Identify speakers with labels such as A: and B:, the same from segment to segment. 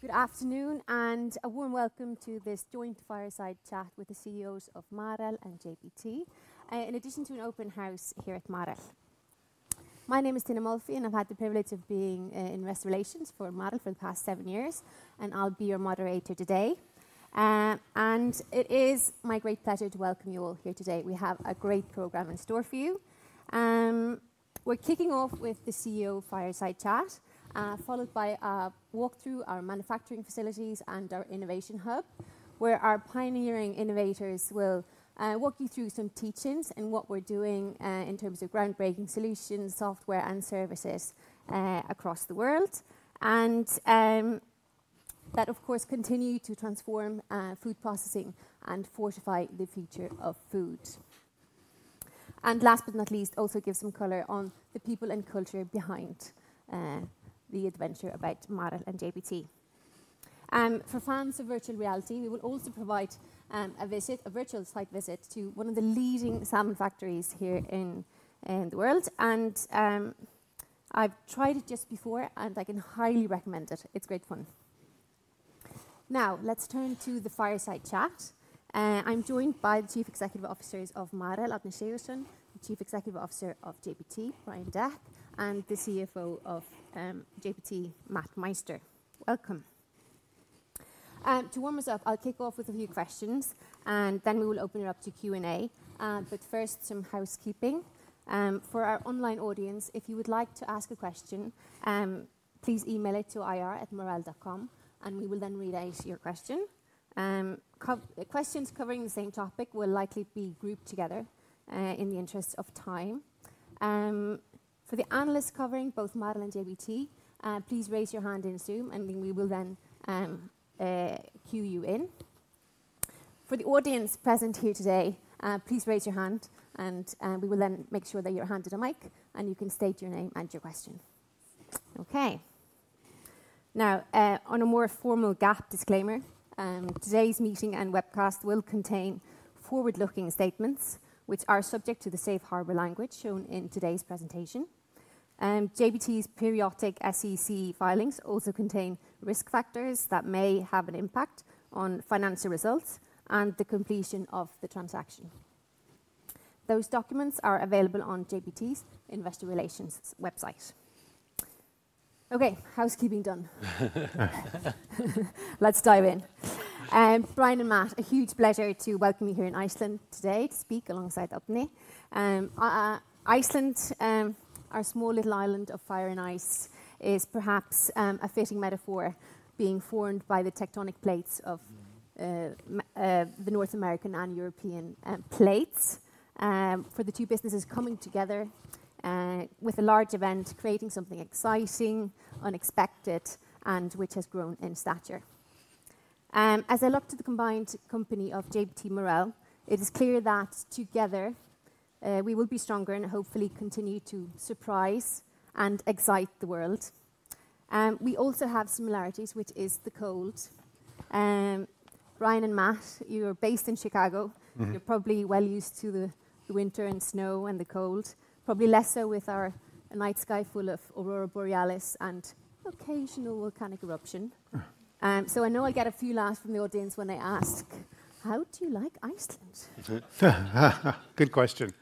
A: Good afternoon, and a warm welcome to this joint fireside chat with the CEOs of Marel and JBT, in addition to an open house here at Marel. My name is Tinna Molphy, and I've had the privilege of being in Investor Relations for Marel for the past seven years, and I'll be your moderator today. It is my great pleasure to welcome you all here today. We have a great program in store for you. We're kicking off with the CEO fireside chat, followed by a walk through our manufacturing facilities and our innovation hub, where our pioneering innovators will walk you through some teach-ins in what we're doing in terms of groundbreaking solutions, software, and services across the world. That, of course, continue to transform food processing and fortify the future of food. Last but not least, also give some color on the people and culture behind the adventure about Marel and JBT. For fans of virtual reality, we will also provide a visit, a virtual site visit, to one of the leading salmon factories here in the world. I've tried it just before, and I can highly recommend it. It's great fun. Now, let's turn to the fireside chat. I'm joined by the Chief Executive Officer of Marel, Árni Sigurðsson, the Chief Executive Officer of JBT, Brian Deck, and the CFO of JBT, Matt Meister. Welcome. To warm us up, I'll kick off with a few questions, and then we will open it up to Q&A. But first, some housekeeping. For our online audience, if you would like to ask a question, please email it to ir@marel.com, and we will then read out your question. Questions covering the same topic will likely be grouped together in the interest of time. For the analysts covering both Marel and JBT, please raise your hand in Zoom, and we will then cue you in. For the audience present here today, please raise your hand, and we will then make sure that you're handed a mic, and you can state your name and your question. Okay. Now, on a more formal GAAP disclaimer, today's meeting and webcast will contain forward-looking statements, which are subject to the safe harbor language shown in today's presentation. JBT's periodic SEC filings also contain risk factors that may have an impact on financial results and the completion of the transaction. Those documents are available on JBT's investor relations website. Okay, housekeeping done. Let's dive in. Brian and Matt, a huge pleasure to welcome you here in Iceland today to speak alongside Árni. Iceland, our small little island of fire and ice, is perhaps a fitting metaphor, being formed by the tectonic plates of the North American and European plates, for the two businesses coming together with a large event, creating something exciting, unexpected, and which has grown in stature. As I look to the combined company of JBT Marel, it is clear that together we will be stronger and hopefully continue to surprise and excite the world. We also have similarities, which is the cold. Brian and Matt, you are based in Chicago. You're probably well used to the winter and snow and the cold, probably less so with our night sky full of aurora borealis and occasional volcanic eruption. So I know I'll get a few laughs from the audience when they ask, how do you like Iceland?
B: Good question.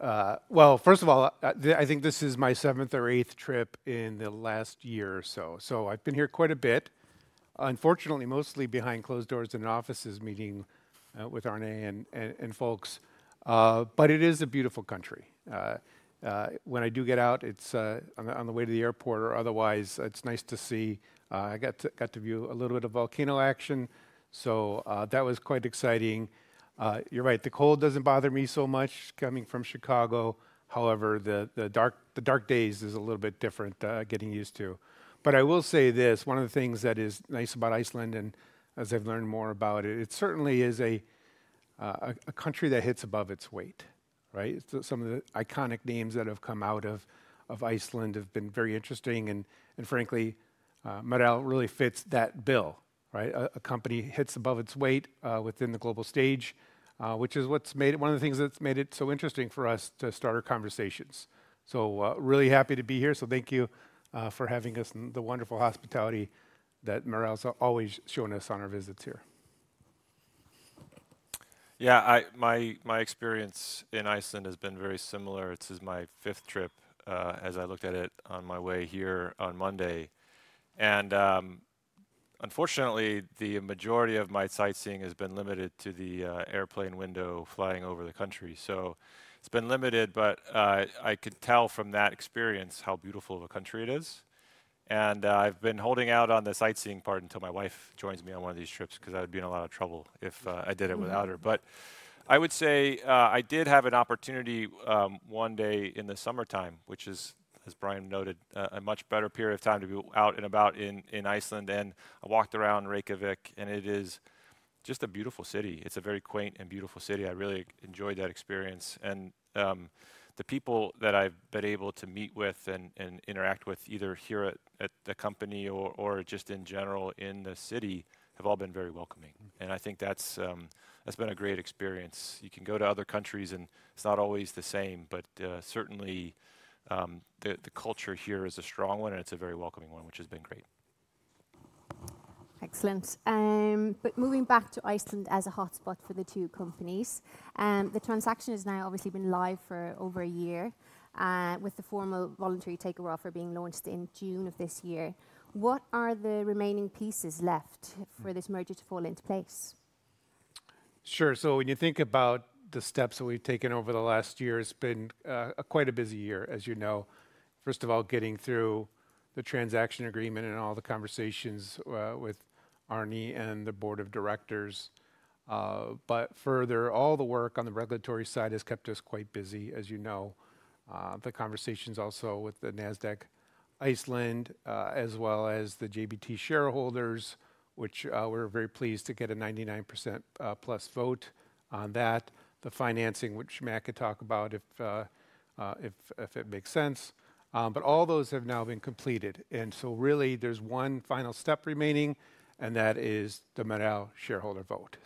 B: Well, first of all, I think this is my seventh or eighth trip in the last year or so. So I've been here quite a bit, unfortunately mostly behind closed doors in offices meeting with Árni and folks. But it is a beautiful country. When I do get out, it's on the way to the airport or otherwise, it's nice to see. I got to view a little bit of volcano action, so that was quite exciting. You're right, the cold doesn't bother me so much coming from Chicago. However, the dark days are a little bit different getting used to. But I will say this, one of the things that is nice about Iceland, and as I've learned more about it, it certainly is a country that hits above its weight. Right? Some of the iconic names that have come out of Iceland have been very interesting, and frankly, Marel really fits that bill. A company hits above its weight within the global stage, which is one of the things that's made it so interesting for us to start our conversations. So really happy to be here, so thank you for having us and the wonderful hospitality that Marel's always shown us on our visits here.
C: Yeah, my experience in Iceland has been very similar. This is my fifth trip as I looked at it on my way here on Monday, and unfortunately, the majority of my sightseeing has been limited to the airplane window flying over the country, so it's been limited. But I could tell from that experience how beautiful of a country it is, and I've been holding out on the sight seeing part until my wife joins me on one of these trips because I'd be in a lot of trouble if I did it without her. But I would say I did have an opportunity one day in the summertime, which is, as Brian noted, a much better period of time to be out and about in Iceland, and I walked around Reykjavík, and it is just a beautiful city. It's a very quaint and beautiful city. I really enjoyed that experience. And the people that I've been able to meet with and interact with, either here at the company or just in general in the city, have all been very welcoming. And I think that's been a great experience. You can go to other countries, and it's not always the same, but certainly the culture here is a strong one, and it's a very welcoming one, which has been great.
A: Excellent, but moving back to Iceland as a hotspot for the two companies, the transaction has now obviously been live for over a year, with the formal voluntary takeover offer being launched in June of this year. What are the remaining pieces left for this merger to fall into place?
C: Sure. So when you think about the steps that we've taken over the last year, it's been quite a busy year, as you know. First of all, getting through the transaction agreement and all the conversations with Árni and the board of directors. But further, all the work on the regulatory side has kept us quite busy, as you know. The conversations also with the Nasdaq Iceland, as well as the JBT shareholders, which we're very pleased to get a 99% plus vote on that. The financing, which Matt could talk about if it makes sense. But all those have now been completed. And so really, there's one final step remaining, and that is the Marel shareholder vote.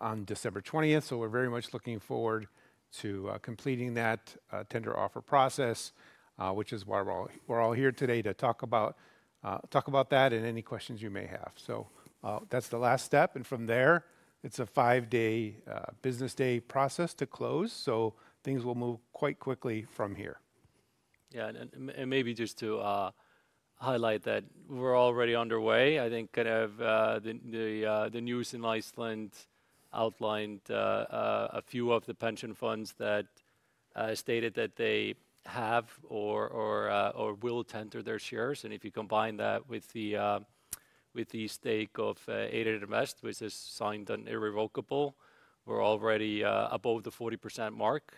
C: On December 20th, we're very much looking forward to completing that tender offer process, which is why we're all here today to talk about that and any questions you may have. That's the last step. From there, it's a five-day business day process to close. Things will move quite quickly from here.
D: Yeah, and maybe just to highlight that we're already underway. I think the news in Iceland outlined a few of the pension funds that stated that they have or will tender their shares. And if you combine that with the stake of Eyrir Invest, which has signed an irrevocable, we're already above the 40% mark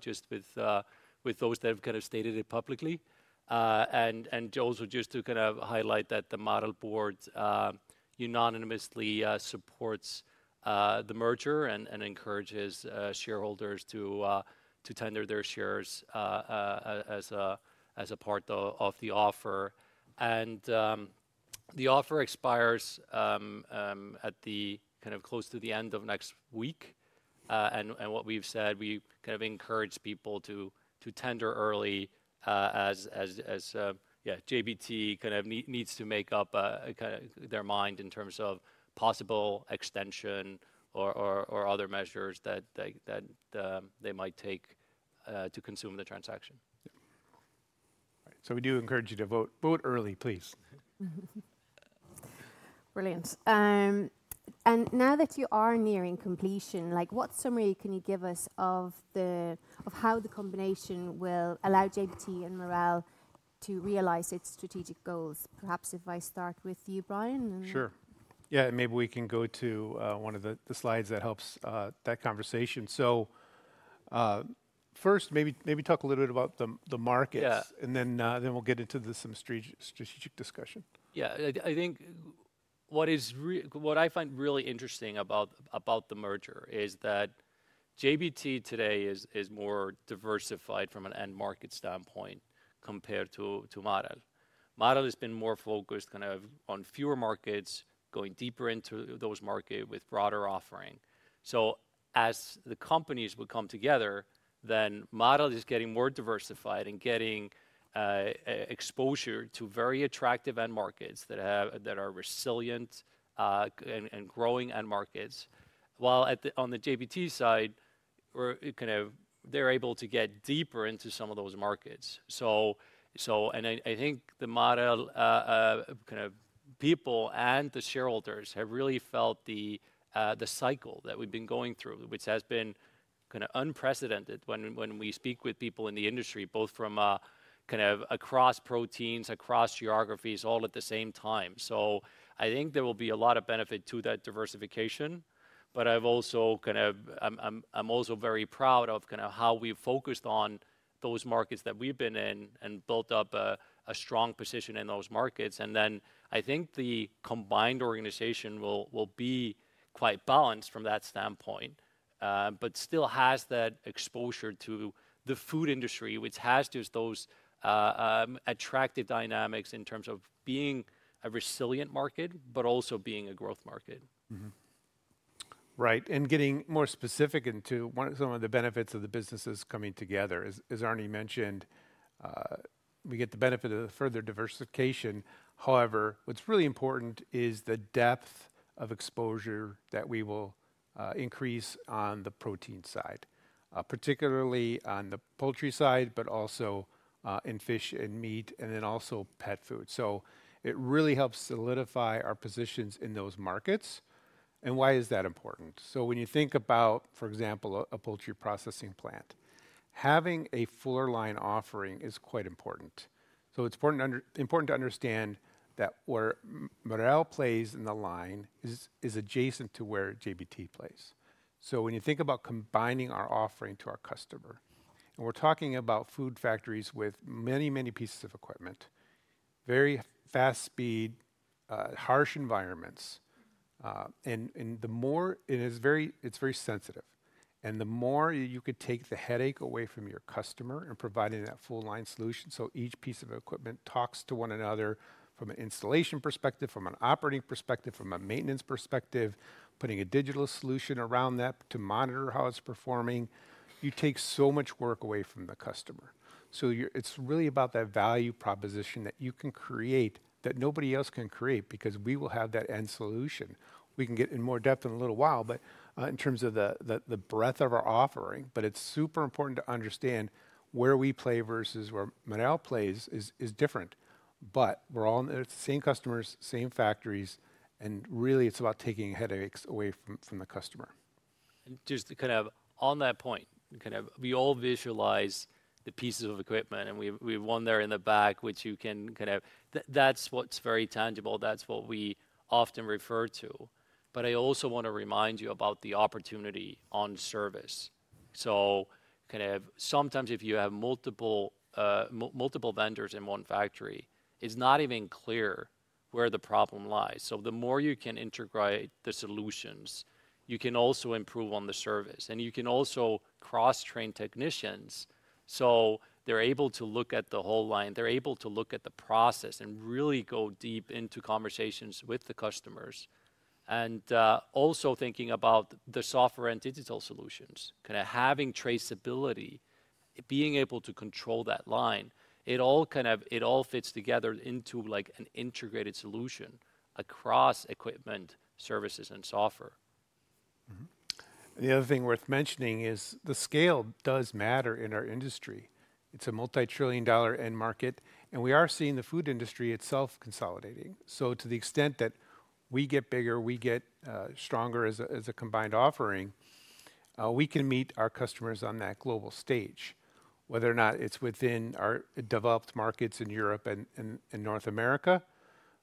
D: just with those that have kind of stated it publicly. And also just to kind of highlight that the Marel board unanimously supports the merger and encourages shareholders to tender their shares as a part of the offer. And the offer expires at the kind of close to the end of next week. And what we've said, we kind of encourage people to tender early as JBT kind of needs to make up their mind in terms of possible extension or other measures that they might take to consummate the transaction.
C: So we do encourage you to vote. Vote early, please.
A: Brilliant. And now that you are nearing completion, what summary can you give us of how the combination will allow JBT and Marel to realize its strategic goals? Perhaps if I start with you, Brian?
B: Sure. Yeah, maybe we can go to one of the slides that helps that conversation. So first, maybe talk a little bit about the markets, and then we'll get into some strategic discussion.
D: Yeah, I think what I find really interesting about the merger is that JBT today is more diversified from an end market standpoint compared to Marel. Marel has been more focused kind of on fewer markets, going deeper into those markets with broader offering, so as the companies will come together, then Marel is getting more diversified and getting exposure to very attractive end markets that are resilient and growing end markets. While on the JBT side, they're able to get deeper into some of those markets, and I think the Marel kind of people and the shareholders have really felt the cycle that we've been going through, which has been kind of unprecedented when we speak with people in the industry, both from kind of across proteins, across geographies, all at the same time, so I think there will be a lot of benefit to that diversification. But I'm also very proud of kind of how we've focused on those markets that we've been in and built up a strong position in those markets, and then I think the combined organization will be quite balanced from that standpoint, but still has that exposure to the food industry, which has just those attractive dynamics in terms of being a resilient market, but also being a growth market.
B: Right. And getting more specific into some of the benefits of the businesses coming together, as Árni mentioned, we get the benefit of further diversification. However, what's really important is the depth of exposure that we will increase on the protein side, particularly on the poultry side, but also in fish and meat, and then also pet food. So it really helps solidify our positions in those markets. And why is that important? So when you think about, for example, a poultry processing plant, having a full line offering is quite important. So it's important to understand that where Marel plays in the line is adjacent to where JBT plays. So when you think about combining our offering to our customer, and we're talking about food factories with many, many pieces of equipment, very fast speed, harsh environments, and it's very sensitive. The more you could take the headache away from your customer and providing that full line solution, so each piece of equipment talks to one another from an installation perspective, from an operating perspective, from a maintenance perspective, putting a digital solution around that to monitor how it's performing, you take so much work away from the customer. So it's really about that value proposition that you can create that nobody else can create because we will have that end solution. We can get in more depth in a little while, but in terms of the breadth of our offering, but it's super important to understand where we play versus where Marel plays is different. But we're all the same customers, same factories, and really it's about taking headaches away from the customer.
D: Just kind of on that point, kind of we all visualize the pieces of equipment, and we have one there in the back, which you can kind of. That's what's very tangible. That's what we often refer to. But I also want to remind you about the opportunity on service. So kind of sometimes if you have multiple vendors in one factory, it's not even clear where the problem lies. So the more you can integrate the solutions, you can also improve on the service. And you can also cross-train technicians so they're able to look at the whole line. They're able to look at the process and really go deep into conversations with the customers. Also thinking about the software and digital solutions, kind of having traceability, being able to control that line, it all kind of fits together into an integrated solution across equipment, services, and software.
B: The other thing worth mentioning is the scale does matter in our industry. It's a multi-trillion dollar end market, and we are seeing the food industry itself consolidating. So to the extent that we get bigger, we get stronger as a combined offering, we can meet our customers on that global stage, whether or not it's within our developed markets in Europe and North America,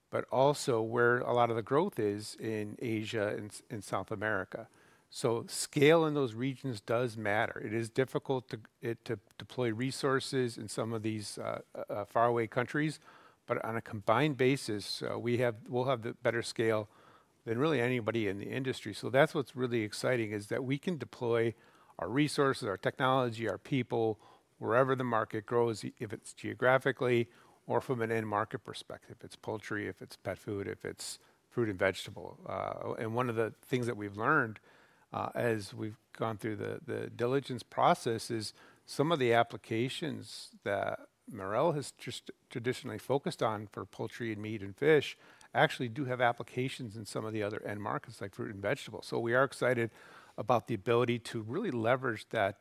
B: but also where a lot of the growth is in Asia and South America. So scale in those regions does matter. It is difficult to deploy resources in some of these faraway countries, but on a combined basis, we'll have better scale than really anybody in the industry. So that's what's really exciting is that we can deploy our resources, our technology, our people wherever the market grows, if it's geographically or from an end market perspective. If it's poultry, if it's pet food, if it's fruit and vegetable, and one of the things that we've learned as we've gone through the diligence process is some of the applications that Marel has just traditionally focused on for poultry and meat and fish actually do have applications in some of the other end markets like fruit and vegetable, so we are excited about the ability to really leverage that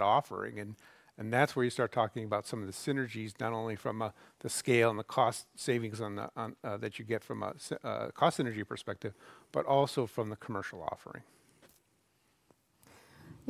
B: offering, and that's where you start talking about some of the synergies, not only from the scale and the cost savings that you get from a cost synergy perspective, but also from the commercial offering.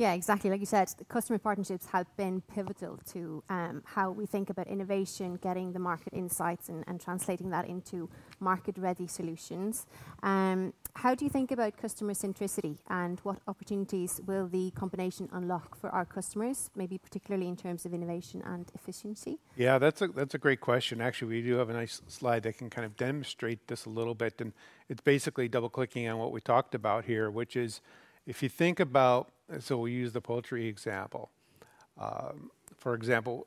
A: Yeah, exactly. Like you said, customer partnerships have been pivotal to how we think about innovation, getting the market insights and translating that into market-ready solutions. How do you think about customer centricity and what opportunities will the combination unlock for our customers, maybe particularly in terms of innovation and efficiency?
B: Yeah, that's a great question. Actually, we do have a nice slide that can kind of demonstrate this a little bit. And it's basically double-clicking on what we talked about here, which is if you think about, so we use the poultry example. For example,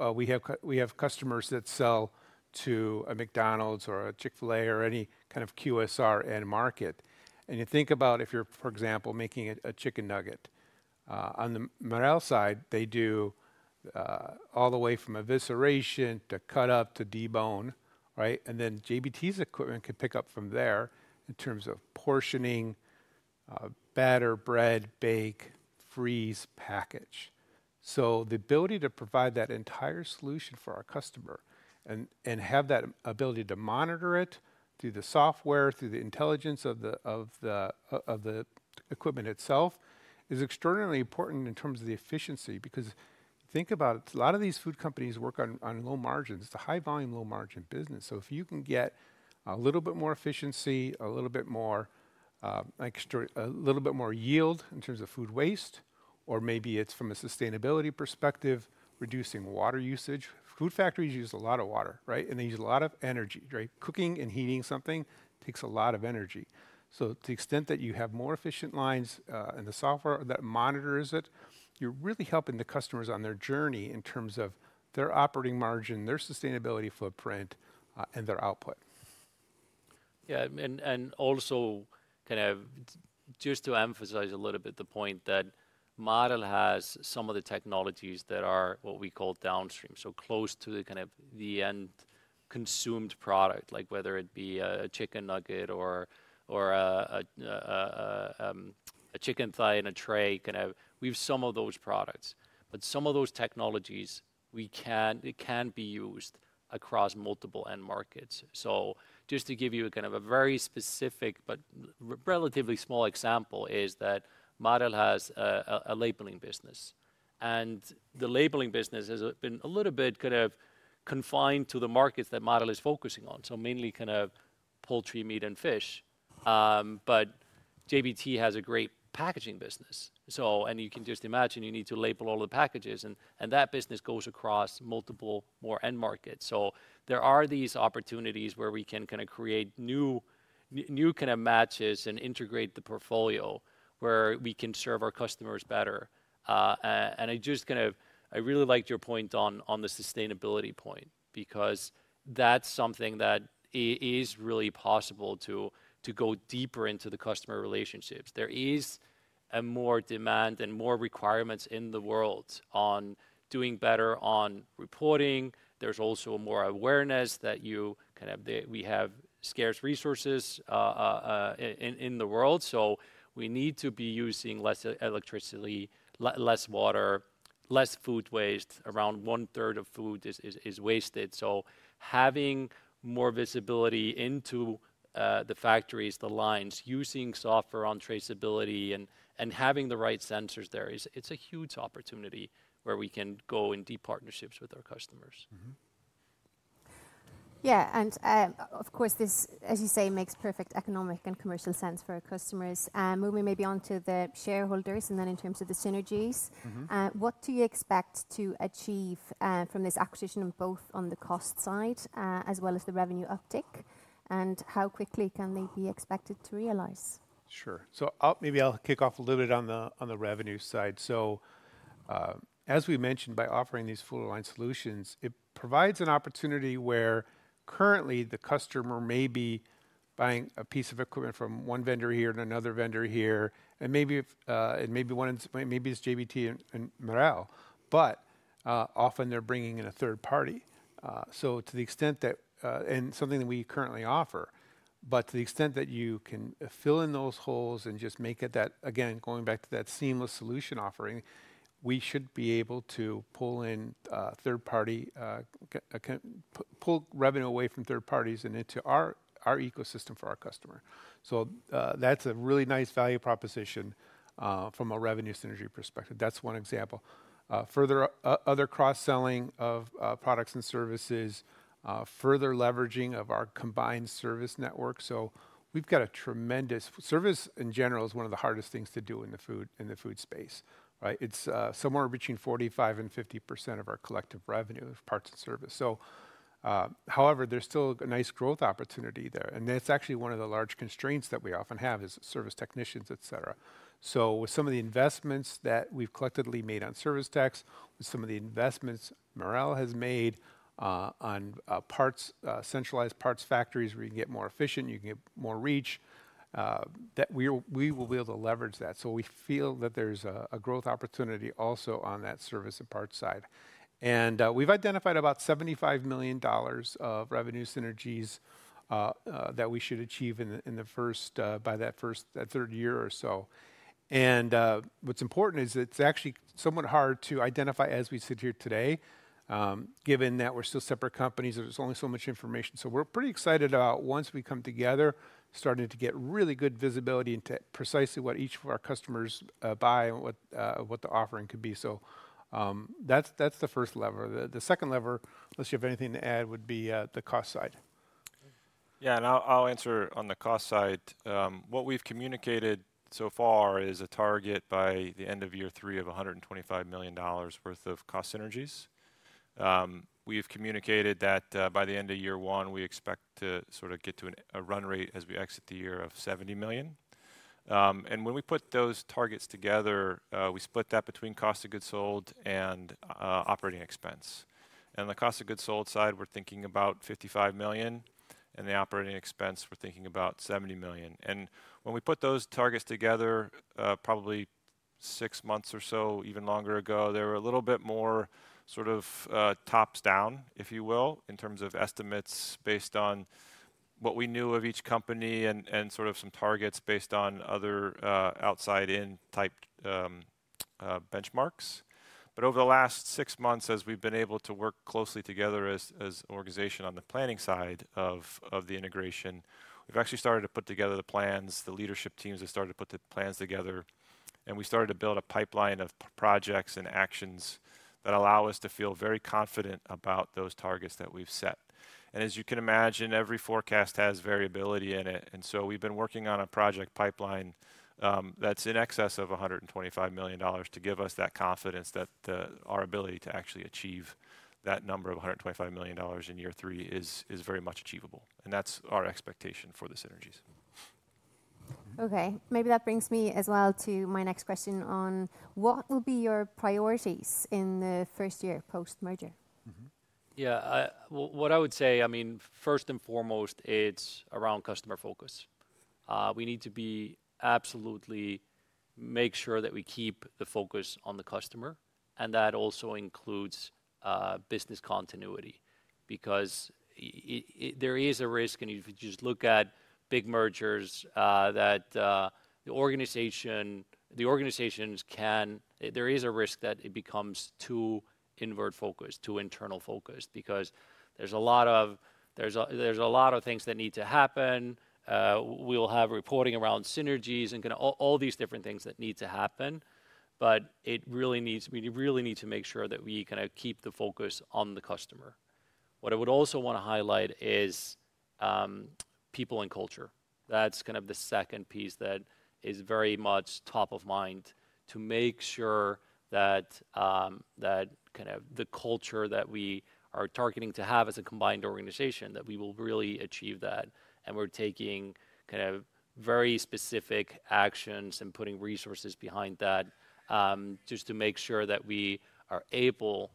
B: we have customers that sell to a McDonald's or a Chick-fil-A or any kind of QSR end market. And you think about if you're, for example, making a chicken nugget. On the Marel side, they do all the way from evisceration to cut up to debone, right? And then JBT's equipment can pick up from there in terms of portioning, batter, bread, bake, freeze, package. The ability to provide that entire solution for our customer and have that ability to monitor it through the software, through the intelligence of the equipment itself is extraordinarily important in terms of the efficiency because think about it, a lot of these food companies work on low margins. It's a high-volume, low-margin business. So if you can get a little bit more efficiency, a little bit more yield in terms of food waste, or maybe it's from a sustainability perspective, reducing water usage. Food factories use a lot of water, right? And they use a lot of energy. Cooking and heating something takes a lot of energy. So to the extent that you have more efficient lines and the software that monitors it, you're really helping the customers on their journey in terms of their operating margin, their sustainability footprint, and their output.
D: Yeah, and also kind of just to emphasize a little bit the point that Marel has some of the technologies that are what we call downstream, so close to kind of the end consumed product, like whether it be a chicken nugget or a chicken thigh in a tray, kind of we have some of those products. But some of those technologies, it can be used across multiple end markets. So just to give you kind of a very specific but relatively small example is that Marel has a labeling business. And the labeling business has been a little bit kind of confined to the markets that Marel is focusing on, so mainly kind of poultry, meat, and fish. But JBT has a great packaging business. And you can just imagine you need to label all the packages. And that business goes across multiple more end markets. There are these opportunities where we can kind of create new kind of matches and integrate the portfolio where we can serve our customers better. I just kind of really liked your point on the sustainability point because that's something that is really possible to go deeper into the customer relationships. There is more demand and more requirements in the world on doing better on reporting. There's also more awareness that we have scarce resources in the world. We need to be using less electricity, less water, less food waste. Around one-third of food is wasted. Having more visibility into the factories, the lines, using software on traceability and having the right sensors there, it's a huge opportunity where we can go in deep partnerships with our customers.
A: Yeah, and of course, this, as you say, makes perfect economic and commercial sense for our customers. Moving maybe on to the shareholders and then in terms of the synergies, what do you expect to achieve from this acquisition both on the cost side as well as the revenue uptick, and how quickly can they be expected to realize?
D: Sure. So maybe I'll kick off a little bit on the revenue side. So as we mentioned, by offering these full line solutions, it provides an opportunity where currently the customer may be buying a piece of equipment from one vendor here and another vendor here, and maybe one is JBT and Marel, but often they're bringing in a third party. So to the extent that and something that we currently offer, but to the extent that you can fill in those holes and just make it that, again, going back to that seamless solution offering, we should be able to pull in third party, pull revenue away from third parties and into our ecosystem for our customer. So that's a really nice value proposition from a revenue synergy perspective. That's one example. Further other cross-selling of products and services, further leveraging of our combined service network. We've got a tremendous service in general is one of the hardest things to do in the food space, right? It's somewhere between 45%-50% of our collective revenue of parts and service. However, there's still a nice growth opportunity there. That's actually one of the large constraints that we often have is service technicians, etc. With some of the investments that we've collectively made on service techs, with some of the investments Marel has made on centralized parts factories where you can get more efficient, you can get more reach, that we will be able to leverage that. We feel that there's a growth opportunity also on that service and parts side. We've identified about $75 million of revenue synergies that we should achieve by that third year or so. What's important is it's actually somewhat hard to identify as we sit here today, given that we're still separate companies and there's only so much information. We're pretty excited about once we come together, starting to get really good visibility into precisely what each of our customers buy and what the offering could be. That's the first lever. The second lever, unless you have anything to add, would be the cost side.
B: Yeah, and I'll answer on the cost side. What we've communicated so far is a target by the end of year three of $125 million worth of cost synergies. We've communicated that by the end of year one, we expect to sort of get to a run rate as we exit the year of $70 million. And when we put those targets together, we split that between cost of goods sold and operating expense. And on the cost of goods sold side, we're thinking about $55 million. And the operating expense, we're thinking about $70 million. And when we put those targets together, probably six months or so, even longer ago, they were a little bit more sort of top down, if you will, in terms of estimates based on what we knew of each company and sort of some targets based on other outside-in type benchmarks. But over the last six months, as we've been able to work closely together as an organization on the planning side of the integration, we've actually started to put together the plans, the leadership teams have started to put the plans together, and we started to build a pipeline of projects and actions that allow us to feel very confident about those targets that we've set. And as you can imagine, every forecast has variability in it. And so we've been working on a project pipeline that's in excess of $125 million to give us that confidence that our ability to actually achieve that number of $125 million in year three is very much achievable. And that's our expectation for the synergies.
A: Okay, maybe that brings me as well to my next question on what will be your priorities in the first year post-merger?
D: Yeah, what I would say, I mean, first and foremost, it's around customer focus. We need to absolutely make sure that we keep the focus on the customer and that also includes business continuity because there is a risk, and if you just look at big mergers, there is a risk that it becomes too inward-focused, too internal-focused because there's a lot of things that need to happen. We'll have reporting around synergies and kind of all these different things that need to happen, but we really need to make sure that we kind of keep the focus on the customer. What I would also want to highlight is people and culture. That's kind of the second piece that is very much top of mind to make sure that kind of the culture that we are targeting to have as a combined organization, that we will really achieve that. And we're taking kind of very specific actions and putting resources behind that just to make sure that we are able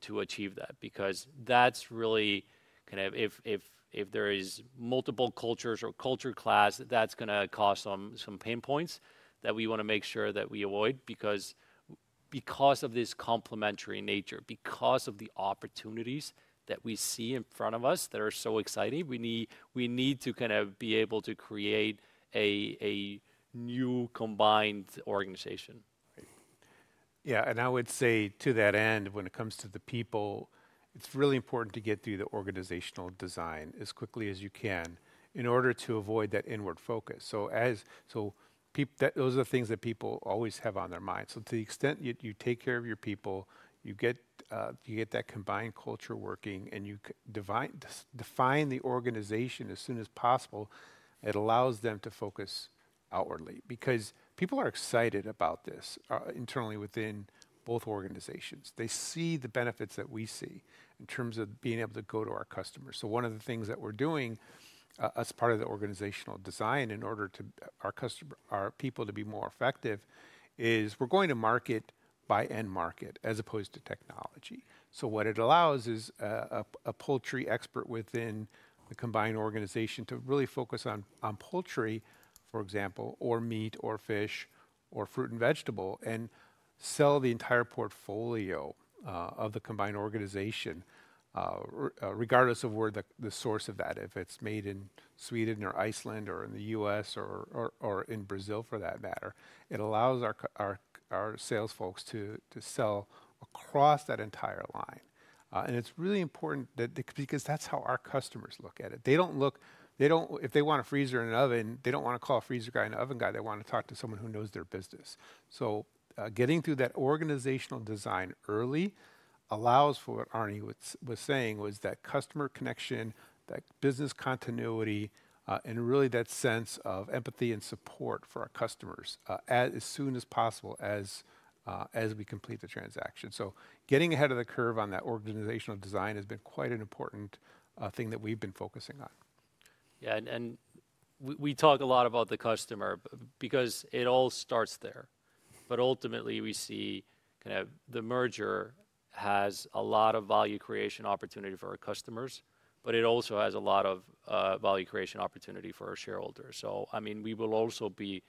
D: to achieve that because that's really kind of, if there is multiple cultures or culture clash, that's going to cause some pain points that we want to make sure that we avoid because of this complementary nature, because of the opportunities that we see in front of us that are so exciting. We need to kind of be able to create a new combined organization.
B: Yeah, and I would say to that end, when it comes to the people, it's really important to get through the organizational design as quickly as you can in order to avoid that inward focus. So those are the things that people always have on their minds. So to the extent you take care of your people, you get that combined culture working, and you define the organization as soon as possible, it allows them to focus outwardly because people are excited about this internally within both organizations. They see the benefits that we see in terms of being able to go to our customers. So one of the things that we're doing as part of the organizational design in order for our people to be more effective is we're going to market by end market as opposed to technology. So what it allows is a poultry expert within the combined organization to really focus on poultry, for example, or meat or fish or fruit and vegetable and sell the entire portfolio of the combined organization regardless of where the source of that, if it's made in Sweden or Iceland or in the U.S. or in Brazil for that matter. It allows our sales folks to sell across that entire line. And it's really important because that's how our customers look at it. They don't look, if they want a freezer and an oven, they don't want to call a freezer guy and an oven guy. They want to talk to someone who knows their business. So getting through that organizational design early allows for what Árni was saying was that customer connection, that business continuity, and really that sense of empathy and support for our customers as soon as possible as we complete the transaction. So getting ahead of the curve on that organizational design has been quite an important thing that we've been focusing on.
D: Yeah, and we talk a lot about the customer because it all starts there. But ultimately, we see kind of the merger has a lot of value creation opportunity for our customers, but it also has a lot of value creation opportunity for our shareholders. So I mean, we will also be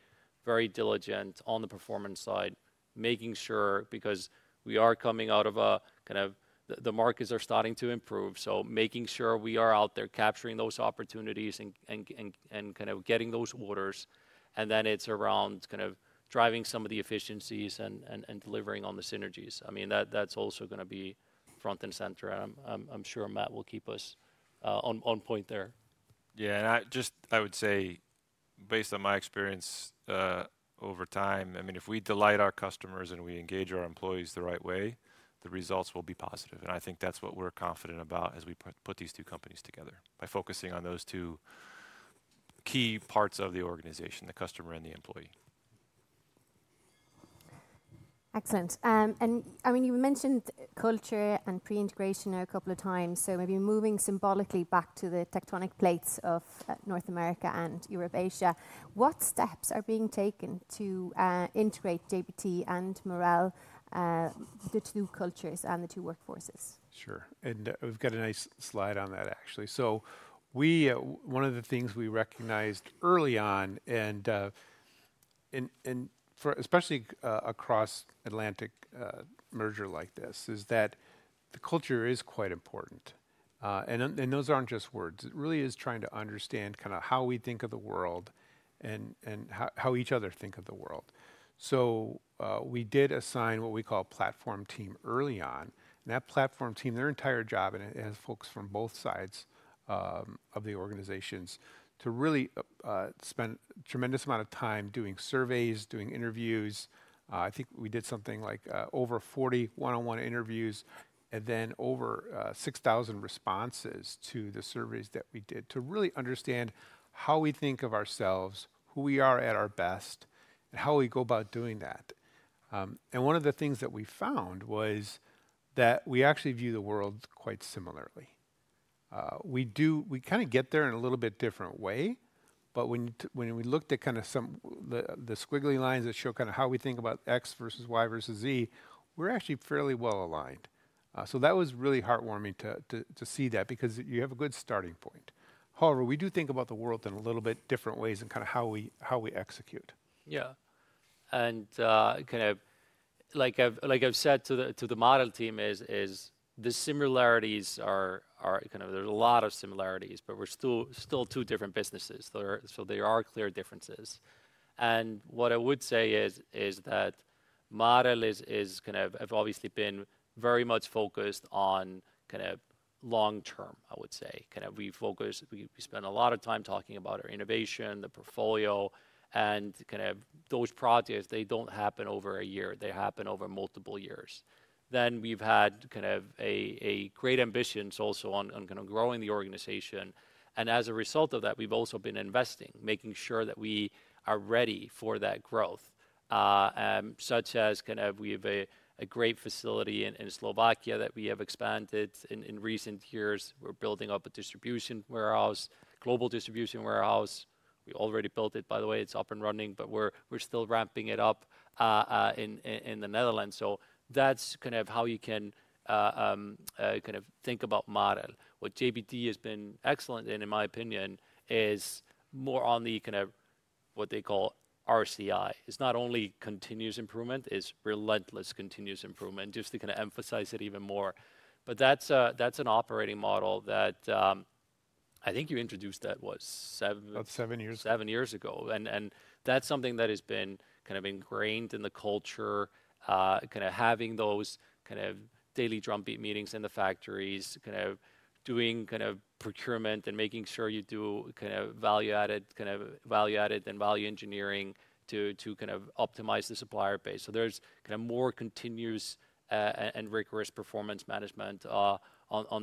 D: very diligent on the performance side, making sure because we are coming out of a kind of the markets are starting to improve. So making sure we are out there capturing those opportunities and kind of getting those orders. And then it's around kind of driving some of the efficiencies and delivering on the synergies. I mean, that's also going to be front and center. And I'm sure Matt will keep us on point there.
C: Yeah, and just I would say based on my experience over time, I mean, if we delight our customers and we engage our employees the right way, the results will be positive. And I think that's what we're confident about as we put these two companies together by focusing on those two key parts of the organization, the customer and the employee.
A: Excellent. And I mean, you mentioned culture and pre-integration a couple of times. So maybe moving symbolically back to the tectonic plates of North America and Europe-Asia, what steps are being taken to integrate JBT and Marel, the two cultures and the two workforces?
B: Sure. And we've got a nice slide on that, actually. So one of the things we recognized early on, and especially transatlantic merger like this, is that the culture is quite important. And those aren't just words. It really is trying to understand kind of how we think of the world and how each other think of the world. So we did assign what we call a platform team early on. And that platform team, their entire job, and it has folks from both sides of the organizations to really spend a tremendous amount of time doing surveys, doing interviews. I think we did something like over 40 one-on-one interviews and then over 6,000 responses to the surveys that we did to really understand how we think of ourselves, who we are at our best, and how we go about doing that. And one of the things that we found was that we actually view the world quite similarly. We kind of get there in a little bit different way. But when we looked at kind of the squiggly lines that show kind of how we think about X versus Y versus Z, we're actually fairly well aligned. So that was really heartwarming to see that because you have a good starting point. However, we do think about the world in a little bit different ways and kind of how we execute.
D: Yeah. And kind of like I've said to the Marel team, the similarities are kind of. There's a lot of similarities, but we're still two different businesses. So there are clear differences. And what I would say is that Marel has obviously been very much focused on kind of long term, I would say. Kind of we spend a lot of time talking about our innovation, the portfolio, and kind of those projects. They don't happen over a year. They happen over multiple years. Then we've had kind of great ambitions also on kind of growing the organization. And as a result of that, we've also been investing, making sure that we are ready for that growth, such as kind of we have a great facility in Slovakia that we have expanded in recent years. We're building up a distribution warehouse, global distribution warehouse. We already built it, by the way. It's up and running, but we're still ramping it up in the Netherlands. So that's kind of how you can kind of think about Marel. What JBT has been excellent in, in my opinion, is more on the kind of what they call RCI. It's not only continuous improvement, it's relentless continuous improvement, just to kind of emphasize it even more. But that's an operating model that I think you introduced that was seven.
B: About seven years ago.
D: Seven years ago, and that's something that has been kind of ingrained in the culture, kind of having those kind of daily drumbeat meetings in the factories, kind of doing kind of procurement and making sure you do kind of value-added kind of value-added and value engineering to kind of optimize the supplier base. So there's kind of more continuous and rigorous performance management on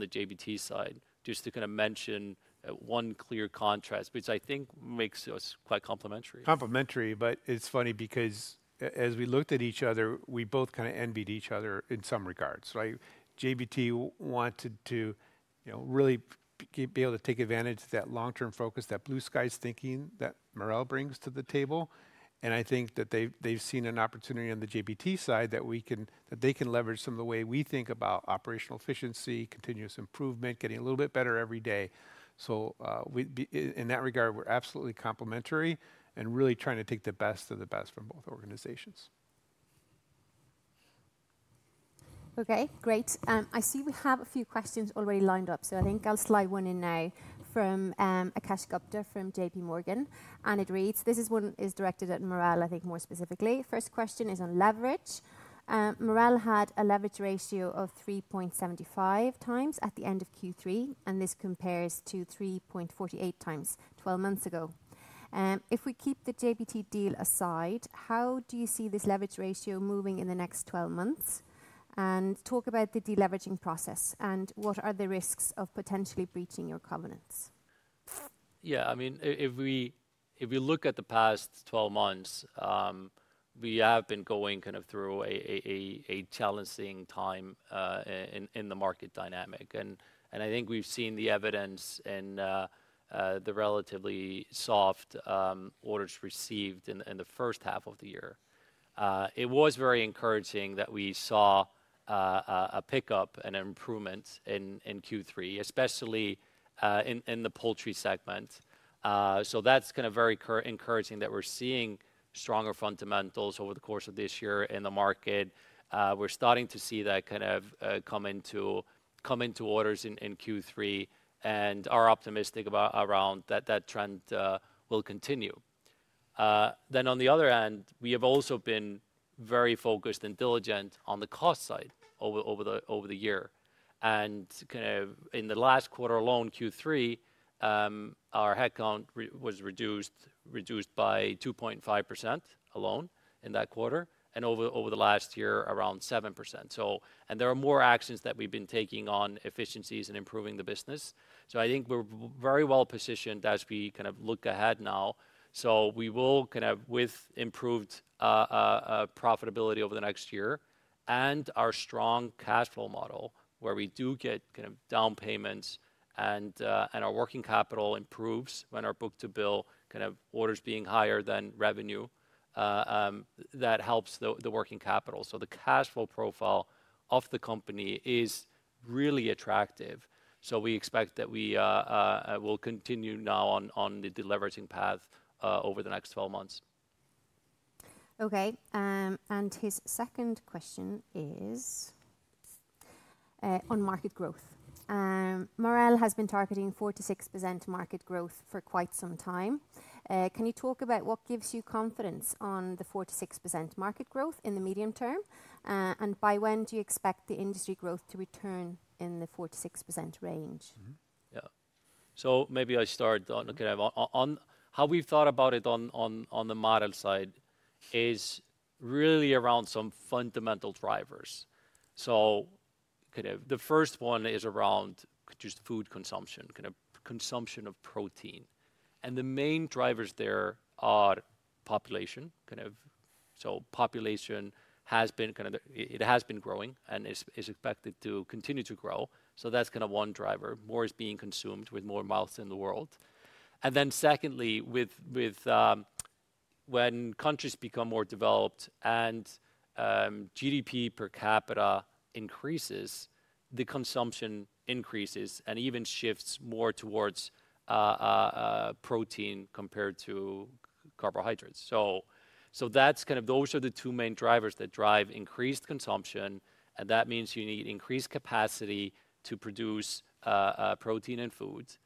D: the JBT side, just to kind of mention one clear contrast, which I think makes us quite complementary.
B: Complementary, but it's funny because as we looked at each other, we both kind of envied each other in some regards. JBT wanted to really be able to take advantage of that long-term focus, that blue-sky thinking that Marel brings to the table, and I think that they've seen an opportunity on the JBT side that they can leverage some of the way we think about operational efficiency, continuous improvement, getting a little bit better every day, so in that regard, we're absolutely complementary and really trying to take the best of the best from both organizations.
A: Okay, great. I see we have a few questions already lined up. So I think I'll slide one in now from Akash Gupta from J.P. Morgan. And it reads, this one is directed at Marel, I think more specifically. First question is on leverage. Marel had a leverage ratio of 3.75 times at the end of Q3, and this compares to 3.48 times 12 months ago. If we keep the JBT deal aside, how do you see this leverage ratio moving in the next 12 months? And talk about the deleveraging process and what are the risks of potentially breaching your covenants?
D: Yeah, I mean, if we look at the past 12 months, we have been going kind of through a challenging time in the market dynamic, and I think we've seen the evidence in the relatively soft orders received in the first half of the year. It was very encouraging that we saw a pickup and an improvement in Q3, especially in the poultry segment, so that's kind of very encouraging that we're seeing stronger fundamentals over the course of this year in the market. We're starting to see that kind of come into orders in Q3, and are optimistic around that trend will continue. Then on the other hand, we have also been very focused and diligent on the cost side over the year. Kind of in the last quarter alone, Q3, our headcount was reduced by 2.5% alone in that quarter, and over the last year, around 7%. There are more actions that we've been taking on efficiencies and improving the business. I think we're very well positioned as we kind of look ahead now. We will kind of with improved profitability over the next year and our strong cash flow model where we do get kind of down payments and our working capital improves when our book-to-bill kind of orders being higher than revenue, that helps the working capital. The cash flow profile of the company is really attractive. We expect that we will continue now on the deleveraging path over the next 12 months.
A: Okay. And his second question is on market growth. Marel has been targeting 4%-6% market growth for quite some time. Can you talk about what gives you confidence on the 4%-6% market growth in the medium term? And by when do you expect the industry growth to return in the 4%-6% range?
D: Yeah. So maybe I start on kind of how we've thought about it on the Marel side is really around some fundamental drivers. So kind of the first one is around just food consumption, kind of consumption of protein. And the main drivers there are population. So population has been kind of it has been growing and is expected to continue to grow. So that's kind of one driver. More is being consumed with more mouths in the world. And then secondly, when countries become more developed and GDP per capita increases, the consumption increases and even shifts more towards protein compared to carbohydrates. So that's kind of those are the two main drivers that drive increased consumption. And that means you need increased capacity to produce protein and foods.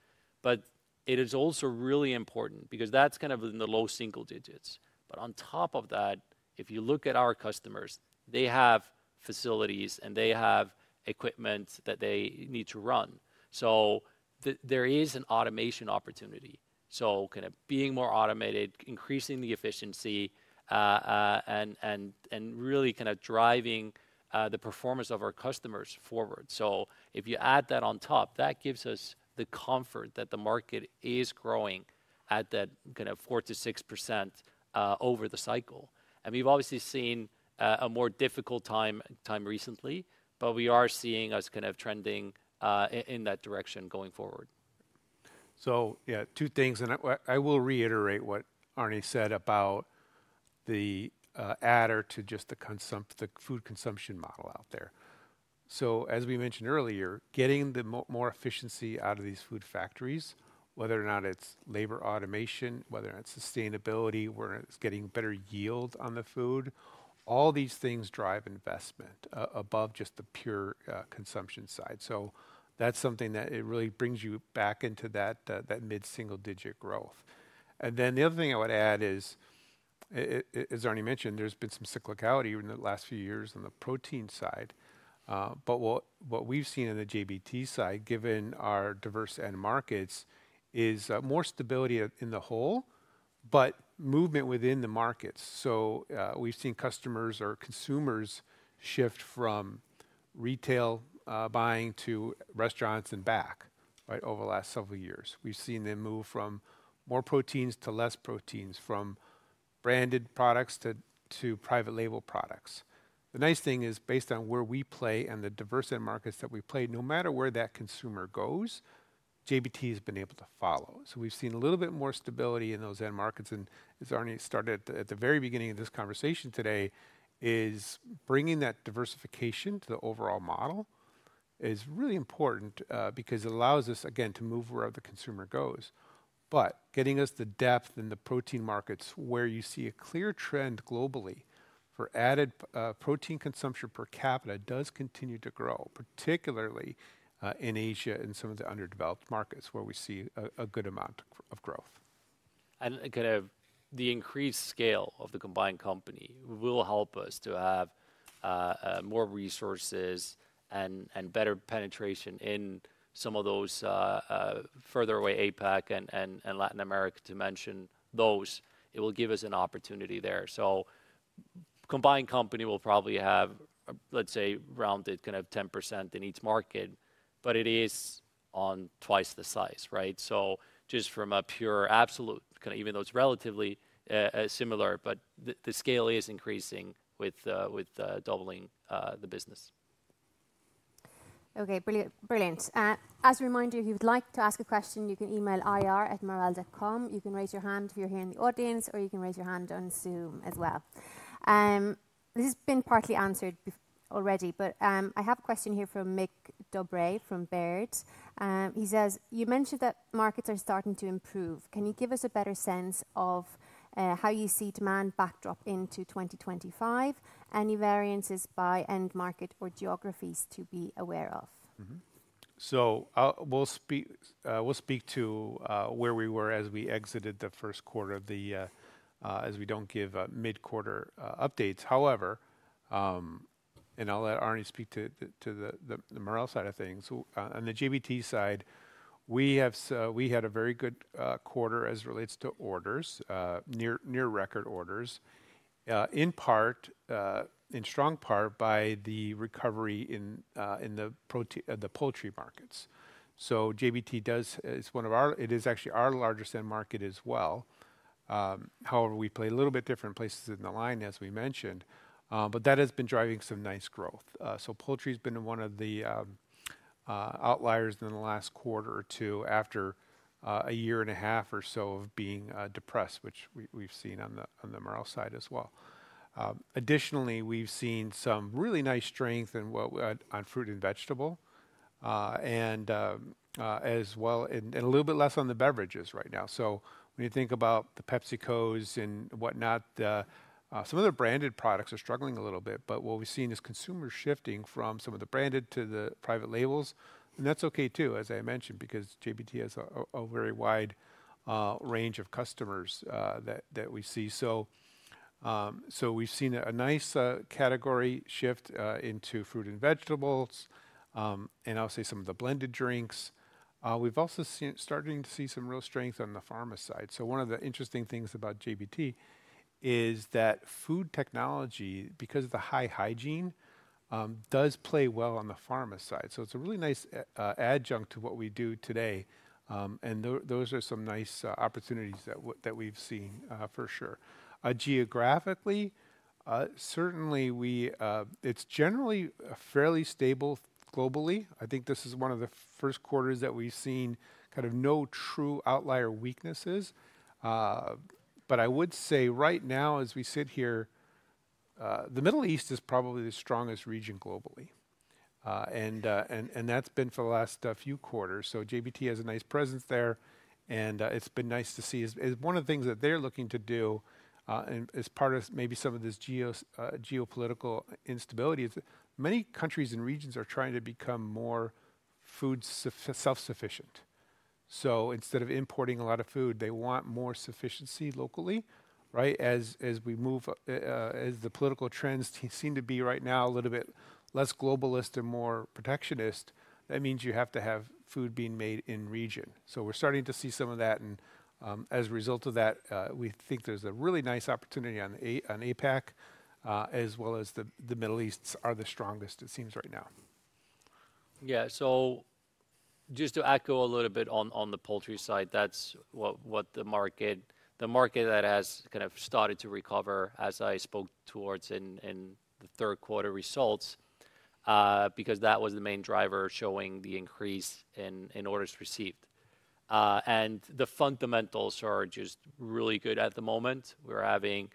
D: But it is also really important because that's kind of in the low single digits. But on top of that, if you look at our customers, they have facilities and they have equipment that they need to run. So there is an automation opportunity. So kind of being more automated, increasing the efficiency, and really kind of driving the performance of our customers forward. So if you add that on top, that gives us the comfort that the market is growing at that kind of 4%-6% over the cycle. And we've obviously seen a more difficult time recently, but we are seeing us kind of trending in that direction going forward.
B: Yeah, two things. I will reiterate what Arni said about the add-on to just the food consumption model out there. As we mentioned earlier, getting more efficiency out of these food factories, whether or not it's labor automation, whether or not it's sustainability, whether it's getting better yield on the food, all these things drive investment above just the pure consumption side. That's something that really brings you back into that mid-single digit growth. The other thing I would add is, as Arni mentioned, there's been some cyclicality in the last few years on the protein side. But what we've seen on the JBT side, given our diverse end markets, is more stability overall, but movement within the markets. We've seen customers or consumers shift from retail buying to restaurants and back over the last several years. We've seen them move from more proteins to less proteins, from branded products to private label products. The nice thing is based on where we play and the diverse end markets that we play, no matter where that consumer goes, JBT has been able to follow. So we've seen a little bit more stability in those end markets, and as Árni started at the very beginning of this conversation today, bringing that diversification to the overall model is really important because it allows us, again, to move where the consumer goes, but getting us the depth in the protein markets where you see a clear trend globally for added protein consumption per capita does continue to grow, particularly in Asia and some of the underdeveloped markets where we see a good amount of growth.
D: Kind of the increased scale of the combined company will help us to have more resources and better penetration in some of those further away APAC and Latin America to mention those. It will give us an opportunity there. Combined company will probably have, let's say, rounded kind of 10% in each market, but it is on twice the size. Just from a pure absolute, kind of even though it's relatively similar, but the scale is increasing with doubling the business.
A: Okay, brilliant. As a reminder, if you'd like to ask a question, you can email ir@marel.com. You can raise your hand if you're here in the audience, or you can raise your hand on Zoom as well. This has been partly answered already, but I have a question here from Mig Dobre from Baird. He says, you mentioned that markets are starting to improve. Can you give us a better sense of how you see demand backdrop into 2025? Any variances by end market or geographies to be aware of?
B: So we'll speak to where we were as we exited the first quarter, as we don't give mid-quarter updates. However, and I'll let Árni speak to the Marel side of things. On the JBT side, we had a very good quarter as it relates to orders, near record orders, in part, in strong part by the recovery in the poultry markets. So JBT does. It's one of our. It is actually our largest end market as well. However, we play in a little bit different places in the line, as we mentioned. But that has been driving some nice growth. So poultry has been one of the outliers in the last quarter or two after a year and a half or so of being depressed, which we've seen on the Marel side as well. Additionally, we've seen some really nice strength on fruit and vegetable, and as well, and a little bit less on the beverages right now. So when you think about the PepsiCo and whatnot, some of the branded products are struggling a little bit. But what we've seen is consumers shifting from some of the branded to the private labels. And that's okay too, as I mentioned, because JBT has a very wide range of customers that we see. So we've seen a nice category shift into fruit and vegetables, and I'll say some of the blended drinks. We've also started to see some real strength on the pharma side. So one of the interesting things about JBT is that food technology, because of the high hygiene, does play well on the pharma side. So it's a really nice adjunct to what we do today.
D: Those are some nice opportunities that we've seen for sure. Geographically, certainly it's generally fairly stable globally. I think this is one of the first quarters that we've seen kind of no true outlier weaknesses. But I would say right now, as we sit here, the Middle East is probably the strongest region globally. And that's been for the last few quarters. So JBT has a nice presence there. And it's been nice to see. One of the things that they're looking to do as part of maybe some of this geopolitical instability is many countries and regions are trying to become more food self-sufficient. So instead of importing a lot of food, they want more sufficiency locally. As we move, as the political trends seem to be right now a little bit less globalist and more protectionist, that means you have to have food being made in region, so we're starting to see some of that, and as a result of that, we think there's a really nice opportunity on APAC, as well as the Middle East are the strongest, it seems right now. Yeah, so just to echo a little bit on the poultry side, that's what the market that has kind of started to recover as I spoke towards in the third quarter results, because that was the main driver showing the increase in orders received, and the fundamentals are just really good at the moment. We're having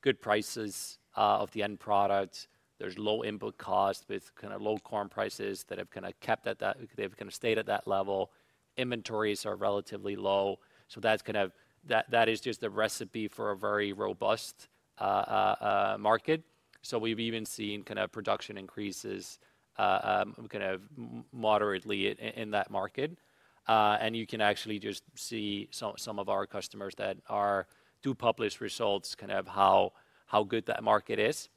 D: good prices of the end products. There's low input costs with kind of low corn prices that have kind of kept at that they've kind of stayed at that level. Inventories are relatively low. So that's kind of that is just the recipe for a very robust market. So we've even seen kind of production increases kind of moderately in that market. And you can actually just see some of our customers that do publish results kind of how good that market is.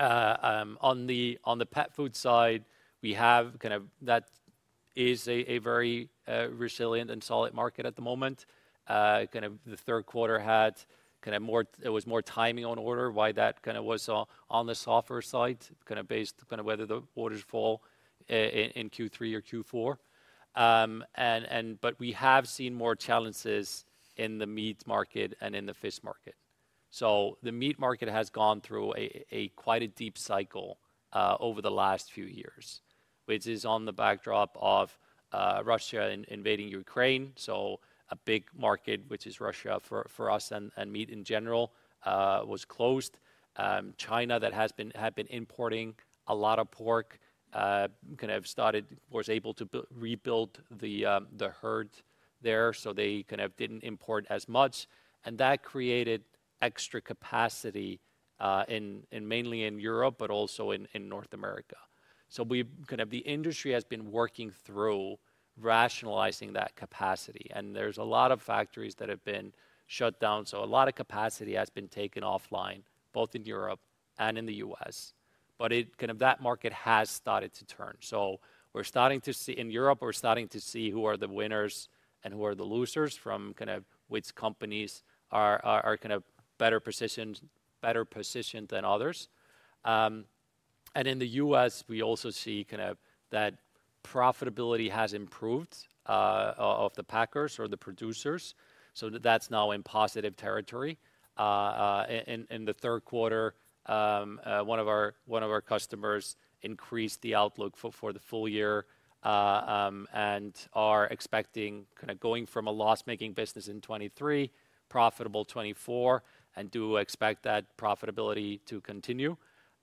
D: On the pet food side, we have kind of that is a very resilient and solid market at the moment. Kind of the third quarter had kind of more. It was more timing on order why that kind of was on the softer side, kind of based on whether the orders fall in Q3 or Q4. But we have seen more challenges in the meat market and in the fish market. The meat market has gone through quite a deep cycle over the last few years, which is on the backdrop of Russia invading Ukraine. A big market, which is Russia for us and meat in general, was closed. China that had been importing a lot of pork kind of started was able to rebuild the herd there. They kind of didn't import as much. That created extra capacity mainly in Europe, but also in North America. The industry has been working through rationalizing that capacity. There's a lot of factories that have been shut down. A lot of capacity has been taken offline, both in Europe and in the U.S. That market has started to turn. So we're starting to see in Europe, we're starting to see who are the winners and who are the losers from kind of which companies are kind of better positioned than others. And in the US, we also see kind of that profitability has improved of the packers or the producers. So that's now in positive territory. In the third quarter, one of our customers increased the outlook for the full year and are expecting kind of going from a loss-making business in 2023, profitable 2024, and do expect that profitability to continue.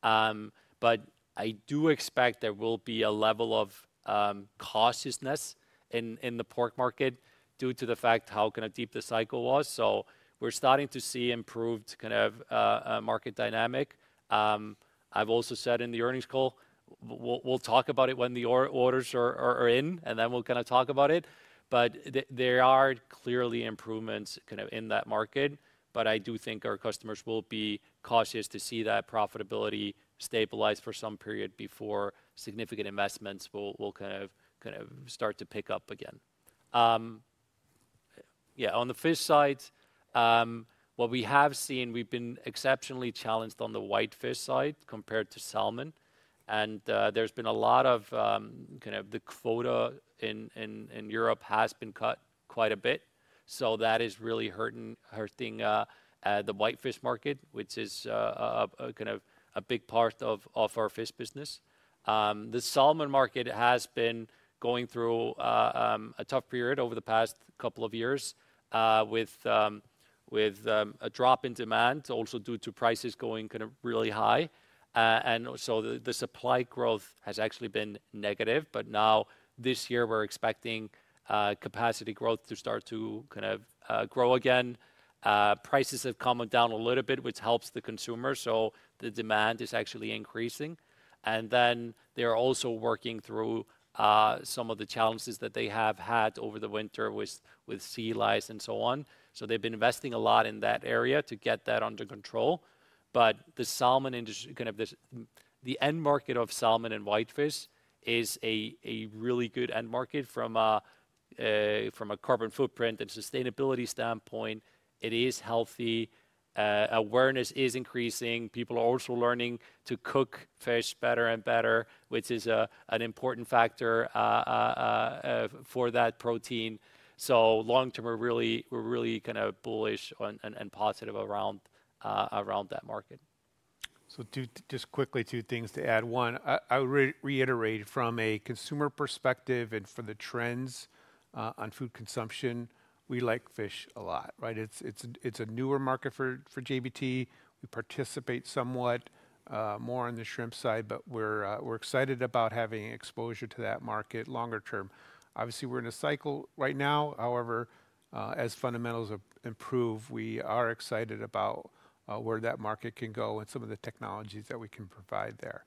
D: But I do expect there will be a level of cautiousness in the pork market due to the fact how kind of deep the cycle was. So we're starting to see improved kind of market dynamic. I've also said in the earnings call, we'll talk about it when the orders are in, and then we'll kind of talk about it. But there are clearly improvements kind of in that market. But I do think our customers will be cautious to see that profitability stabilize for some period before significant investments will kind of start to pick up again. Yeah, on the fish side, what we have seen, we've been exceptionally challenged on the whitefish side compared to salmon. And there's been a lot of kind of the quota in Europe has been cut quite a bit. So that is really hurting the whitefish market, which is kind of a big part of our fish business. The salmon market has been going through a tough period over the past couple of years with a drop in demand, also due to prices going kind of really high, and so the supply growth has actually been negative, but now this year, we're expecting capacity growth to start to kind of grow again. Prices have come down a little bit, which helps the consumer, so the demand is actually increasing, and then they're also working through some of the challenges that they have had over the winter with sea lice and so on, so they've been investing a lot in that area to get that under control, but the salmon industry, kind of the end market of salmon and whitefish, is a really good end market from a carbon footprint and sustainability standpoint. It is healthy. Awareness is increasing. People are also learning to cook fish better and better, which is an important factor for that protein. So long term, we're really kind of bullish and positive around that market.
B: So just quickly, two things to add. One, I would reiterate from a consumer perspective and for the trends on food consumption, we like fish a lot. It's a newer market for JBT. We participate somewhat more on the shrimp side, but we're excited about having exposure to that market longer term. Obviously, we're in a cycle right now. However, as fundamentals improve, we are excited about where that market can go and some of the technologies that we can provide there.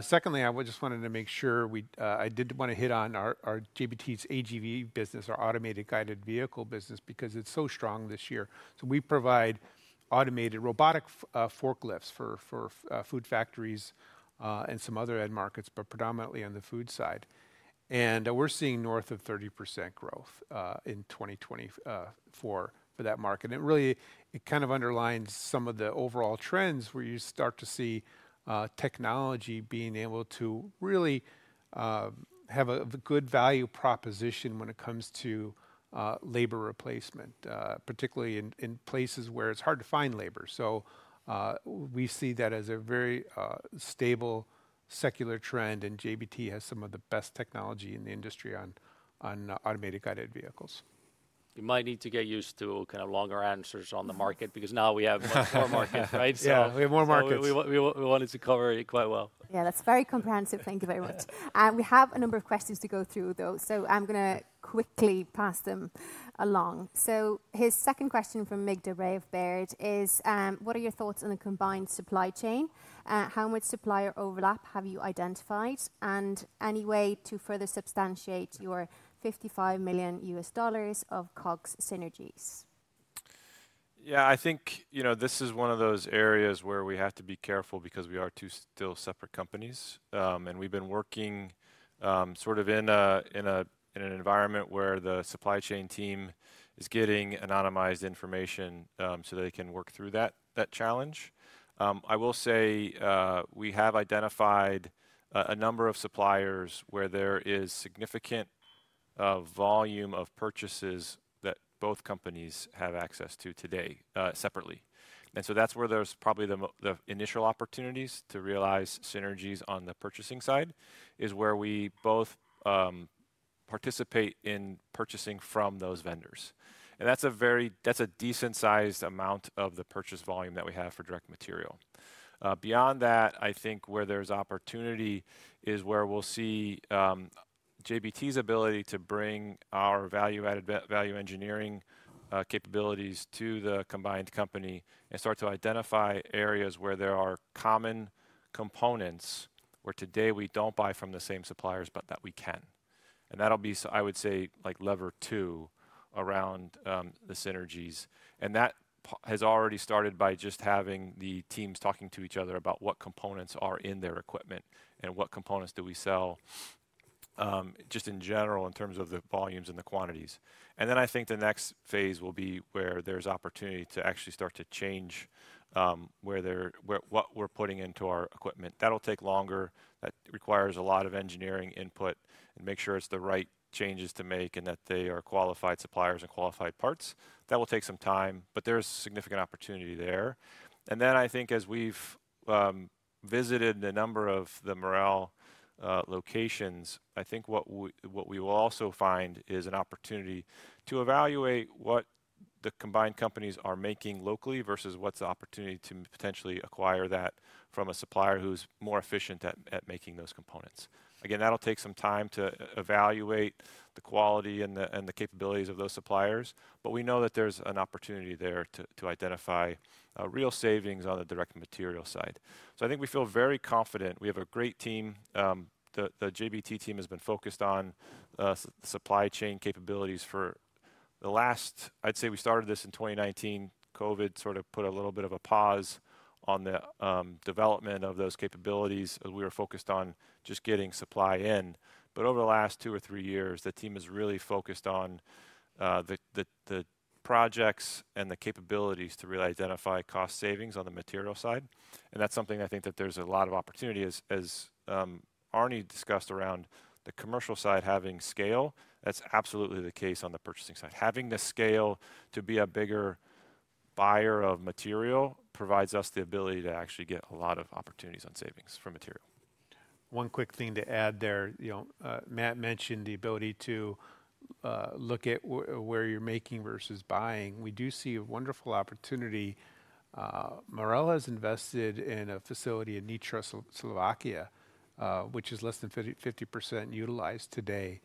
B: Secondly, I just wanted to make sure I did want to hit on our JBT's AGV business, our automated guided vehicle business, because it's so strong this year. So we provide automated robotic forklifts for food factories and some other end markets, but predominantly on the food side. And we're seeing north of 30% growth in 2024 for that market. Really, it kind of underlines some of the overall trends where you start to see technology being able to really have a good value proposition when it comes to labor replacement, particularly in places where it's hard to find labor. So we see that as a very stable secular trend, and JBT has some of the best technology in the industry on automated guided vehicles.
D: You might need to get used to kind of longer answers on the market because now we have more markets.
B: Yeah, we have more markets. We wanted to cover it quite well.
A: Yeah, that's very comprehensive. Thank you very much. We have a number of questions to go through, though. So I'm going to quickly pass them along. So his second question from Mig Dobre of Baird is, what are your thoughts on the combined supply chain? How much supplier overlap have you identified? And any way to further substantiate your $55 million of COGS synergies?
C: Yeah, I think this is one of those areas where we have to be careful because we are two still separate companies. And we've been working sort of in an environment where the supply chain team is getting anonymized information so they can work through that challenge. I will say we have identified a number of suppliers where there is significant volume of purchases that both companies have access to today separately. And so that's where there's probably the initial opportunities to realize synergies on the purchasing side is where we both participate in purchasing from those vendors. And that's a decent-sized amount of the purchase volume that we have for direct material. Beyond that, I think where there's opportunity is where we'll see JBT's ability to bring our value-added value engineering capabilities to the combined company and start to identify areas where there are common components where today we don't buy from the same suppliers, but that we can. And that'll be, I would say, like lever two around the synergies. And that has already started by just having the teams talking to each other about what components are in their equipment and what components do we sell just in general in terms of the volumes and the quantities. And then I think the next phase will be where there's opportunity to actually start to change what we're putting into our equipment. That'll take longer. That requires a lot of engineering input and make sure it's the right changes to make and that they are qualified suppliers and qualified parts. That will take some time, but there's significant opportunity there, and then I think as we've visited the number of the Marel locations, I think what we will also find is an opportunity to evaluate what the combined companies are making locally versus what's the opportunity to potentially acquire that from a supplier who's more efficient at making those components. Again, that'll take some time to evaluate the quality and the capabilities of those suppliers, but we know that there's an opportunity there to identify real savings on the direct material side, so I think we feel very confident. We have a great team. The JBT team has been focused on supply chain capabilities for the last, I'd say we started this in 2019. COVID sort of put a little bit of a pause on the development of those capabilities as we were focused on just getting supply in. But over the last two or three years, the team has really focused on the projects and the capabilities to really identify cost savings on the material side. And that's something I think that there's a lot of opportunity as Árni discussed around the commercial side having scale. That's absolutely the case on the purchasing side. Having the scale to be a bigger buyer of material provides us the ability to actually get a lot of opportunities on savings for material.
B: One quick thing to add there. Matt mentioned the ability to look at where you're making versus buying. We do see a wonderful opportunity. Marel has invested in a facility in Nitra, Slovakia, which is less than 50% utilized today.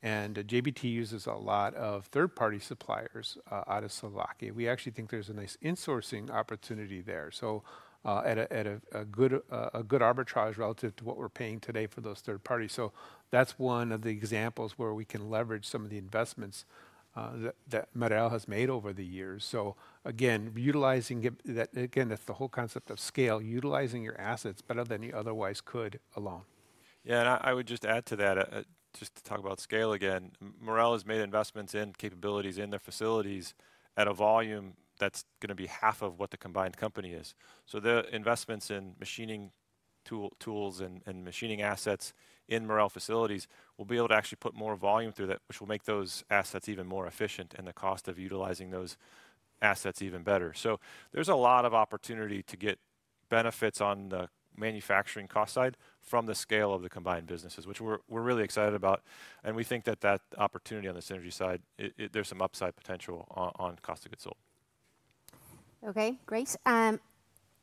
B: And JBT uses a lot of third-party suppliers out of Slovakia. We actually think there's a nice insourcing opportunity there. So at a good arbitrage relative to what we're paying today for those third parties. So that's one of the examples where we can leverage some of the investments that Marel has made over the years. So again, utilizing that, again, that's the whole concept of scale, utilizing your assets better than you otherwise could alone.
C: Yeah, and I would just add to that just to talk about scale again. Marel has made investments in capabilities in their facilities at a volume that's going to be half of what the combined company is. So the investments in machining tools and machining assets in Marel facilities will be able to actually put more volume through that, which will make those assets even more efficient and the cost of utilizing those assets even better. So there's a lot of opportunity to get benefits on the manufacturing cost side from the scale of the combined businesses, which we're really excited about. And we think that that opportunity on the synergy side, there's some upside potential on cost of goods sold.
A: Okay, great.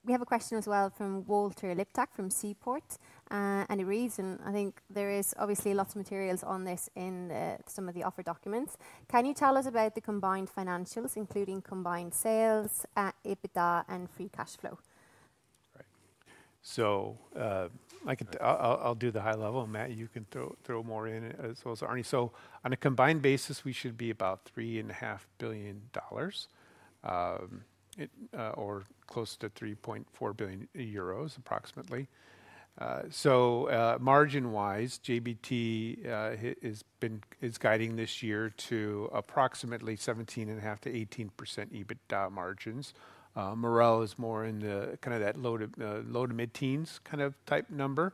A: We have a question as well from Walter Liptak from Seaport. And it reads, and I think there is obviously a lot of materials on this in some of the offer documents. Can you tell us about the combined financials, including combined sales, EBITDA, and free cash flow?
B: So I'll do the high level. Matt, you can throw more in as well as Árni. So on a combined basis, we should be about $3.5 billion or close to 3.4 billion euros, approximately. So margin-wise, JBT is guiding this year to approximately 17.5%-18% EBITDA margins. Marel is more in the kind of that low to mid-teens kind of type number.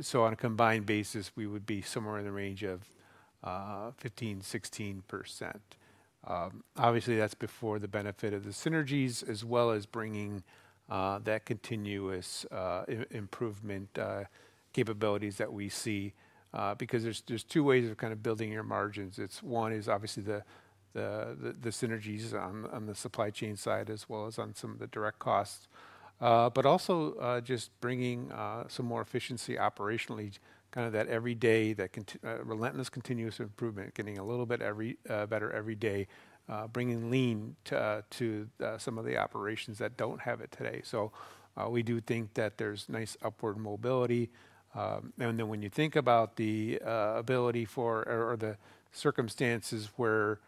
B: So on a combined basis, we would be somewhere in the range of 15%-16%. Obviously, that's before the benefit of the synergies as well as bringing that continuous improvement capabilities that we see because there's two ways of kind of building your margins. One is obviously the synergies on the supply chain side as well as on some of the direct costs, but also just bringing some more efficiency operationally, kind of that every day, that relentless continuous improvement, getting a little bit better every day, bringing lean to some of the operations that don't have it today, so we do think that there's nice upward mobility, and then when you think about the ability for or the circumstances where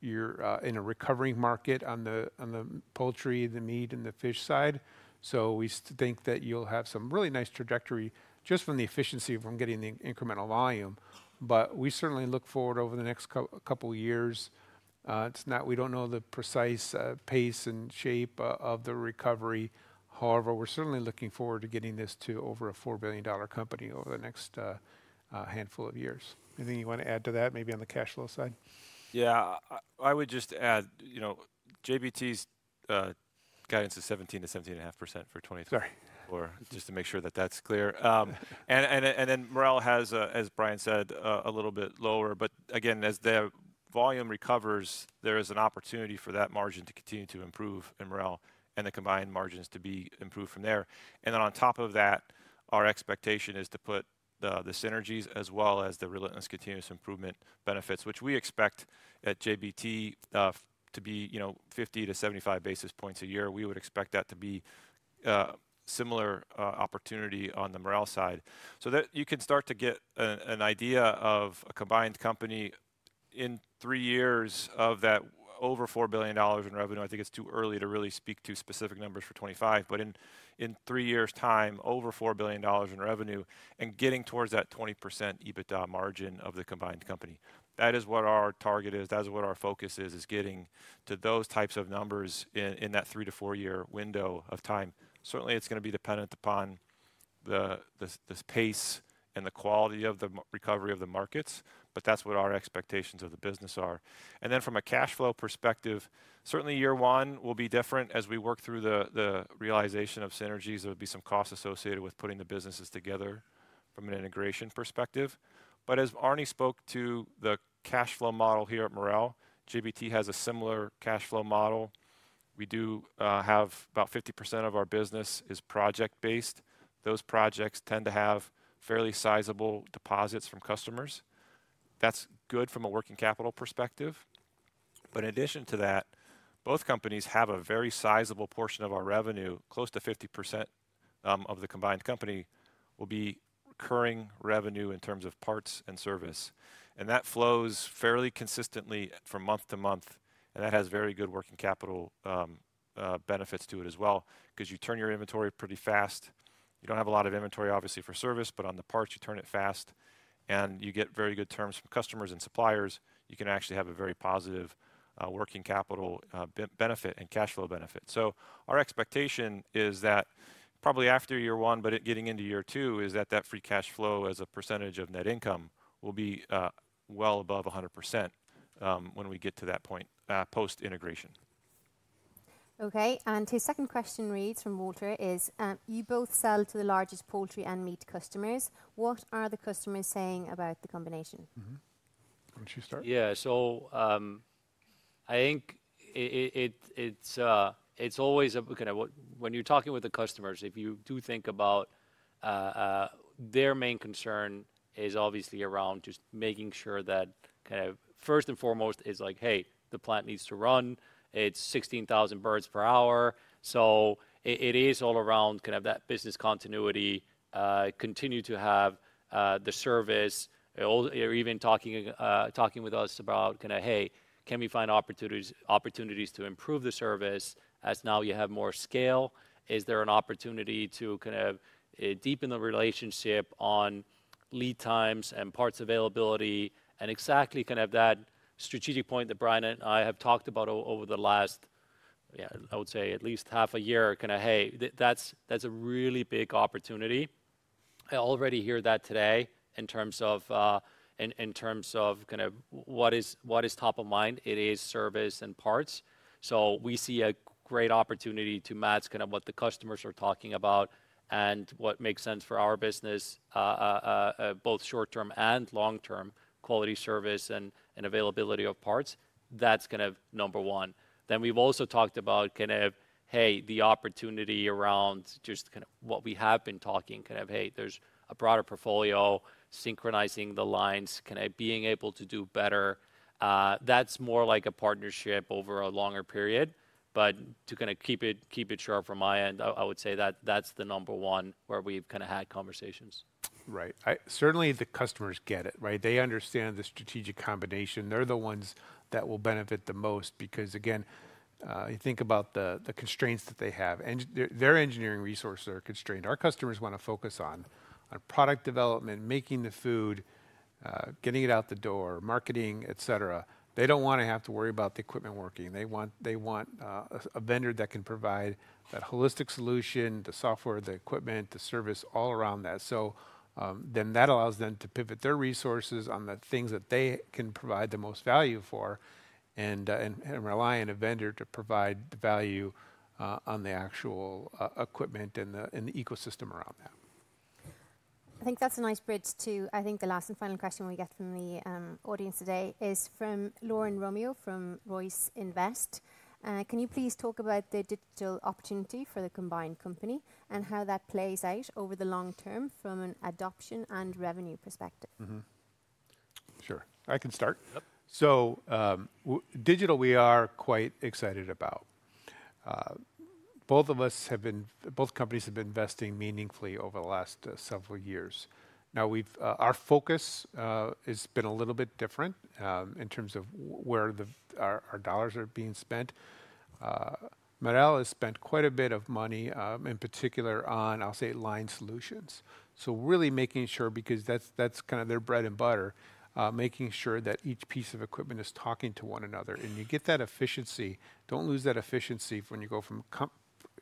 B: you're in a recovering market on the poultry, the meat, and the fish side, so we think that you'll have some really nice trajectory just from the efficiency from getting the incremental volume, but we certainly look forward over the next couple of years. We don't know the precise pace and shape of the recovery. However, we're certainly looking forward to getting this to over a $4 billion company over the next handful of years. Anything you want to add to that, maybe on the cash flow side?
C: Yeah, I would just add JBT's guidance is 17%-17.5% for 2024, just to make sure that that's clear, and then Marel has, as Brian said, a little bit lower, but again, as the volume recovers, there is an opportunity for that margin to continue to improve in Marel and the combined margins to be improved from there, and then on top of that, our expectation is to put the synergies as well as the relentless continuous improvement benefits, which we expect at JBT to be 50-75 basis points a year. We would expect that to be a similar opportunity on the Marel side. So you can start to get an idea of a combined company in three years of that over $4 billion in revenue. I think it's too early to really speak to specific numbers for 2025. But in three years' time, over $4 billion in revenue and getting towards that 20% EBITDA margin of the combined company. That is what our target is. That is what our focus is, is getting to those types of numbers in that three to four-year window of time. Certainly, it's going to be dependent upon the pace and the quality of the recovery of the markets, but that's what our expectations of the business are. And then from a cash flow perspective, certainly year one will be different as we work through the realization of synergies. There will be some costs associated with putting the businesses together from an integration perspective. But as Árni spoke to the cash flow model here at Marel, JBT has a similar cash flow model. We do have about 50% of our business is project-based. Those projects tend to have fairly sizable deposits from customers. That's good from a working capital perspective. But in addition to that, both companies have a very sizable portion of our revenue, close to 50% of the combined company will be recurring revenue in terms of parts and service. And that flows fairly consistently from month to month. And that has very good working capital benefits to it as well because you turn your inventory pretty fast. You don't have a lot of inventory, obviously, for service, but on the parts, you turn it fast. And you get very good terms from customers and suppliers. You can actually have a very positive working capital benefit and cash flow benefit. So our expectation is that probably after year one, but getting into year two, is that that free cash flow as a percentage of net income will be well above 100% when we get to that point post-integration.
A: Okay. And his second question reads from Walter is, you both sell to the largest poultry and meat customers. What are the customers saying about the combination?
C: Why don't you start?
D: Yeah, so I think it's always kind of when you're talking with the customers, if you do think about their main concern is obviously around just making sure that kind of first and foremost is like, hey, the plant needs to run. It's 16,000 birds per hour. So it is all around kind of that business continuity, continue to have the service. Even talking with us about kind of, hey, can we find opportunities to improve the service as now you have more scale? Is there an opportunity to kind of deepen the relationship on lead times and parts availability and exactly kind of that strategic point that Brian and I have talked about over the last, yeah, I would say at least half a year kind of, hey, that's a really big opportunity. I already hear that today in terms of kind of what is top of mind. It is service and parts. So we see a great opportunity to match kind of what the customers are talking about and what makes sense for our business, both short-term and long-term quality service and availability of parts. That's kind of number one. Then we've also talked about kind of, hey, the opportunity around just kind of what we have been talking kind of, hey, there's a broader portfolio, synchronizing the lines, kind of being able to do better. That's more like a partnership over a longer period. But to kind of keep it short from my end, I would say that that's the number one where we've kind of had conversations.
B: Right. Certainly, the customers get it, right? They understand the strategic combination. They're the ones that will benefit the most because, again, you think about the constraints that they have and their engineering resources are constrained. Our customers want to focus on product development, making the food, getting it out the door, marketing, etc. They don't want to have to worry about the equipment working. They want a vendor that can provide that holistic solution, the software, the equipment, the service all around that, so then that allows them to pivot their resources on the things that they can provide the most value for and rely on a vendor to provide the value on the actual equipment and the ecosystem around that.
A: I think that's a nice bridge to, I think the last and final question we get from the audience today is from Lauren Romeo from Royce Investment Partners. Can you please talk about the digital opportunity for the combined company and how that plays out over the long term from an adoption and revenue perspective?
C: Sure. I can start, so digital, we are quite excited about. Both of us have been, both companies have been investing meaningfully over the last several years. Now, our focus has been a little bit different in terms of where our dollars are being spent. Marel has spent quite a bit of money in particular on, I'll say, line solutions, so really making sure, because that's kind of their bread and butter, making sure that each piece of equipment is talking to one another. And you get that efficiency. Don't lose that efficiency when you go from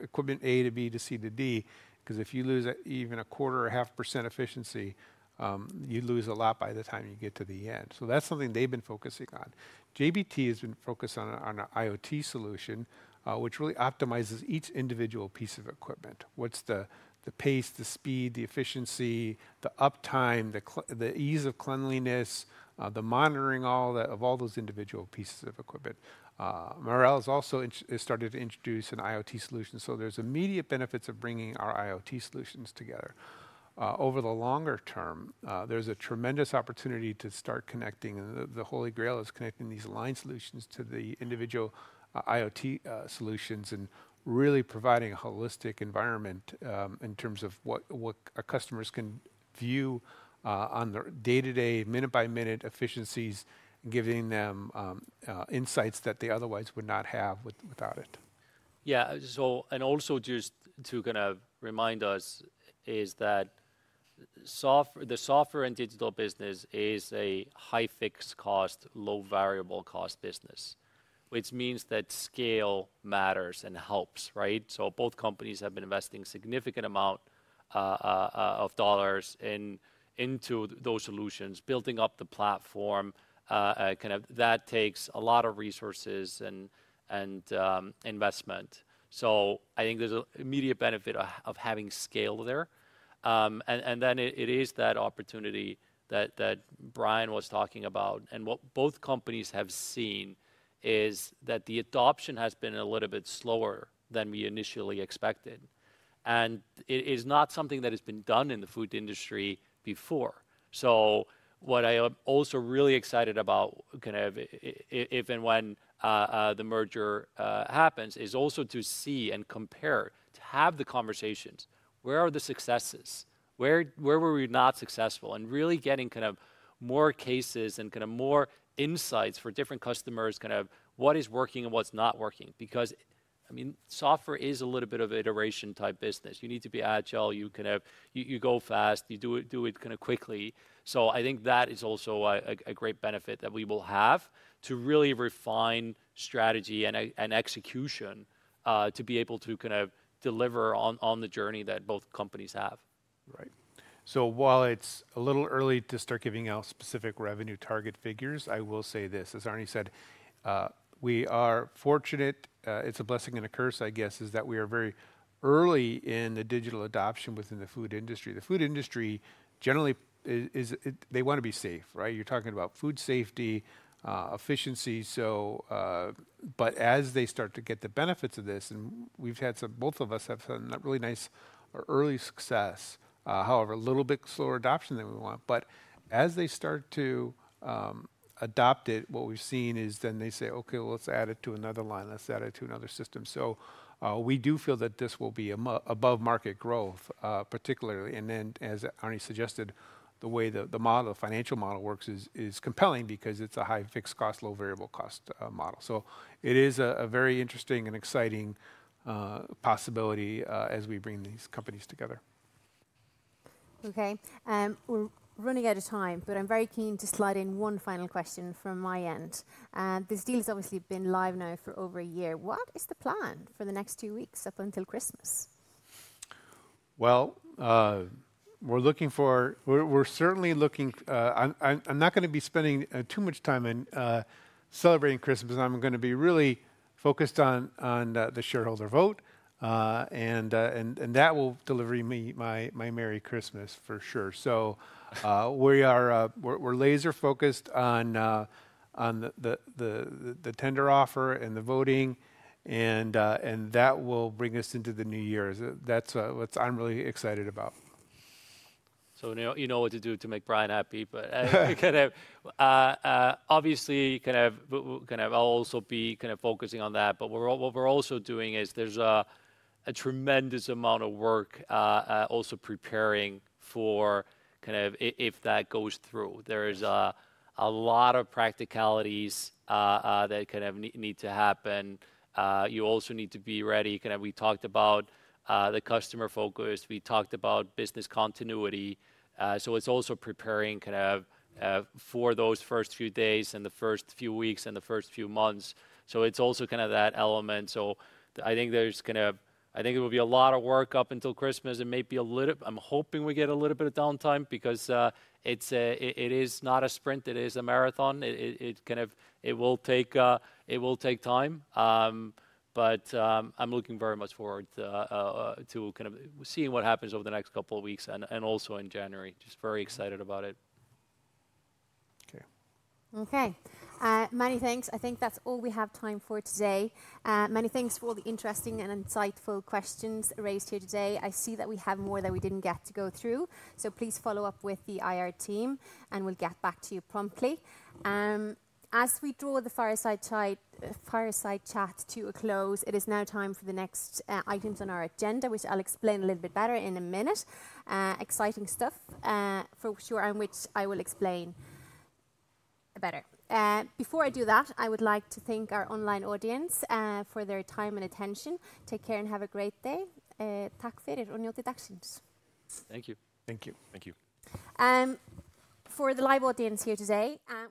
C: equipment A to B to C to D because if you lose even 0.25% or 0.5% efficiency, you lose a lot by the time you get to the end. That's something they've been focusing on. JBT has been focused on an IoT solution, which really optimizes each individual piece of equipment. What's the pace, the speed, the efficiency, the uptime, the ease of cleanliness, the monitoring of all those individual pieces of equipment. Marel has also started to introduce an IoT solution. So there's immediate benefits of bringing our IoT solutions together. Over the longer term, there's a tremendous opportunity to start connecting. And the Holy Grail is connecting these line solutions to the individual IoT solutions and really providing a holistic environment in terms of what our customers can view on their day-to-day, minute-by-minute efficiencies, giving them insights that they otherwise would not have without it.
D: Yeah. And also just to kind of remind us is that the software and digital business is a high-fixed cost, low-variable cost business, which means that scale matters and helps, right? So both companies have been investing a significant amount of dollars into those solutions, building up the platform. Kind of that takes a lot of resources and investment. So I think there's an immediate benefit of having scale there. And then it is that opportunity that Brian was talking about. And what both companies have seen is that the adoption has been a little bit slower than we initially expected. And it is not something that has been done in the food industry before. So what I am also really excited about kind of if and when the merger happens is also to see and compare, to have the conversations. Where are the successes? Where were we not successful? Really getting kind of more cases and kind of more insights for different customers, kind of what is working and what's not working. Because, I mean, software is a little bit of an iteration type business. You need to be agile. You kind of go fast. You do it kind of quickly, so I think that is also a great benefit that we will have to really refine strategy and execution to be able to kind of deliver on the journey that both companies have.
C: Right. So while it's a little early to start giving out specific revenue target figures, I will say this. As Árni said, we are fortunate. It's a blessing and a curse, I guess, is that we are very early in the digital adoption within the food industry. The food industry generally is they want to be safe, right? You're talking about food safety, efficiency. But as they start to get the benefits of this, and we've had some both of us have had not really nice early success, however, a little bit slower adoption than we want. But as they start to adopt it, what we've seen is then they say, okay, well, let's add it to another line. Let's add it to another system, so we do feel that this will be above market growth, particularly. As Árni suggested, the way the model, the financial model works is compelling because it's a high-fixed cost, low-variable cost model. So it is a very interesting and exciting possibility as we bring these companies together.
A: Okay. We're running out of time, but I'm very keen to slide in one final question from my end. This deal has obviously been live now for over a year. What is the plan for the next two weeks up until Christmas?
D: Well, we're certainly looking. I'm not going to be spending too much time in celebrating Christmas. I'm going to be really focused on the shareholder vote. And that will deliver me my merry Christmas for sure. So we are laser-focused on the tender offer and the voting. And that will bring us into the new year. That's what I'm really excited about. So you know what to do to make Brian happy, but kind of obviously kind of I'll also be kind of focusing on that. But what we're also doing is there's a tremendous amount of work also preparing for kind of if that goes through. There is a lot of practicalities that kind of need to happen. You also need to be ready. Kind of we talked about the customer focus. We talked about business continuity. So it's also preparing kind of for those first few days and the first few weeks and the first few months. So it's also kind of that element. So I think there's kind of it will be a lot of work up until Christmas and maybe a little. I'm hoping we get a little bit of downtime because it is not a sprint. It is a marathon. It kind of will take time. But I'm looking very much forward to kind of seeing what happens over the next couple of weeks and also in January. Just very excited about it.
C: Okay.
A: Okay. Many thanks. I think that's all we have time for today. Many thanks for all the interesting and insightful questions raised here today. I see that we have more that we didn't get to go through. So please follow up with the IR team, and we'll get back to you promptly. As we draw the fireside chat to a close, it is now time for the next items on our agenda, which I'll explain a little bit better in a minute. Exciting stuff for sure, which I will explain better. Before I do that, I would like to thank our online audience for their time and attention. Take care and have a great day. Tack för och njut dagsljus.
D: Thank you.
C: Thank you.
D: Thank you.
A: For the live audience here today.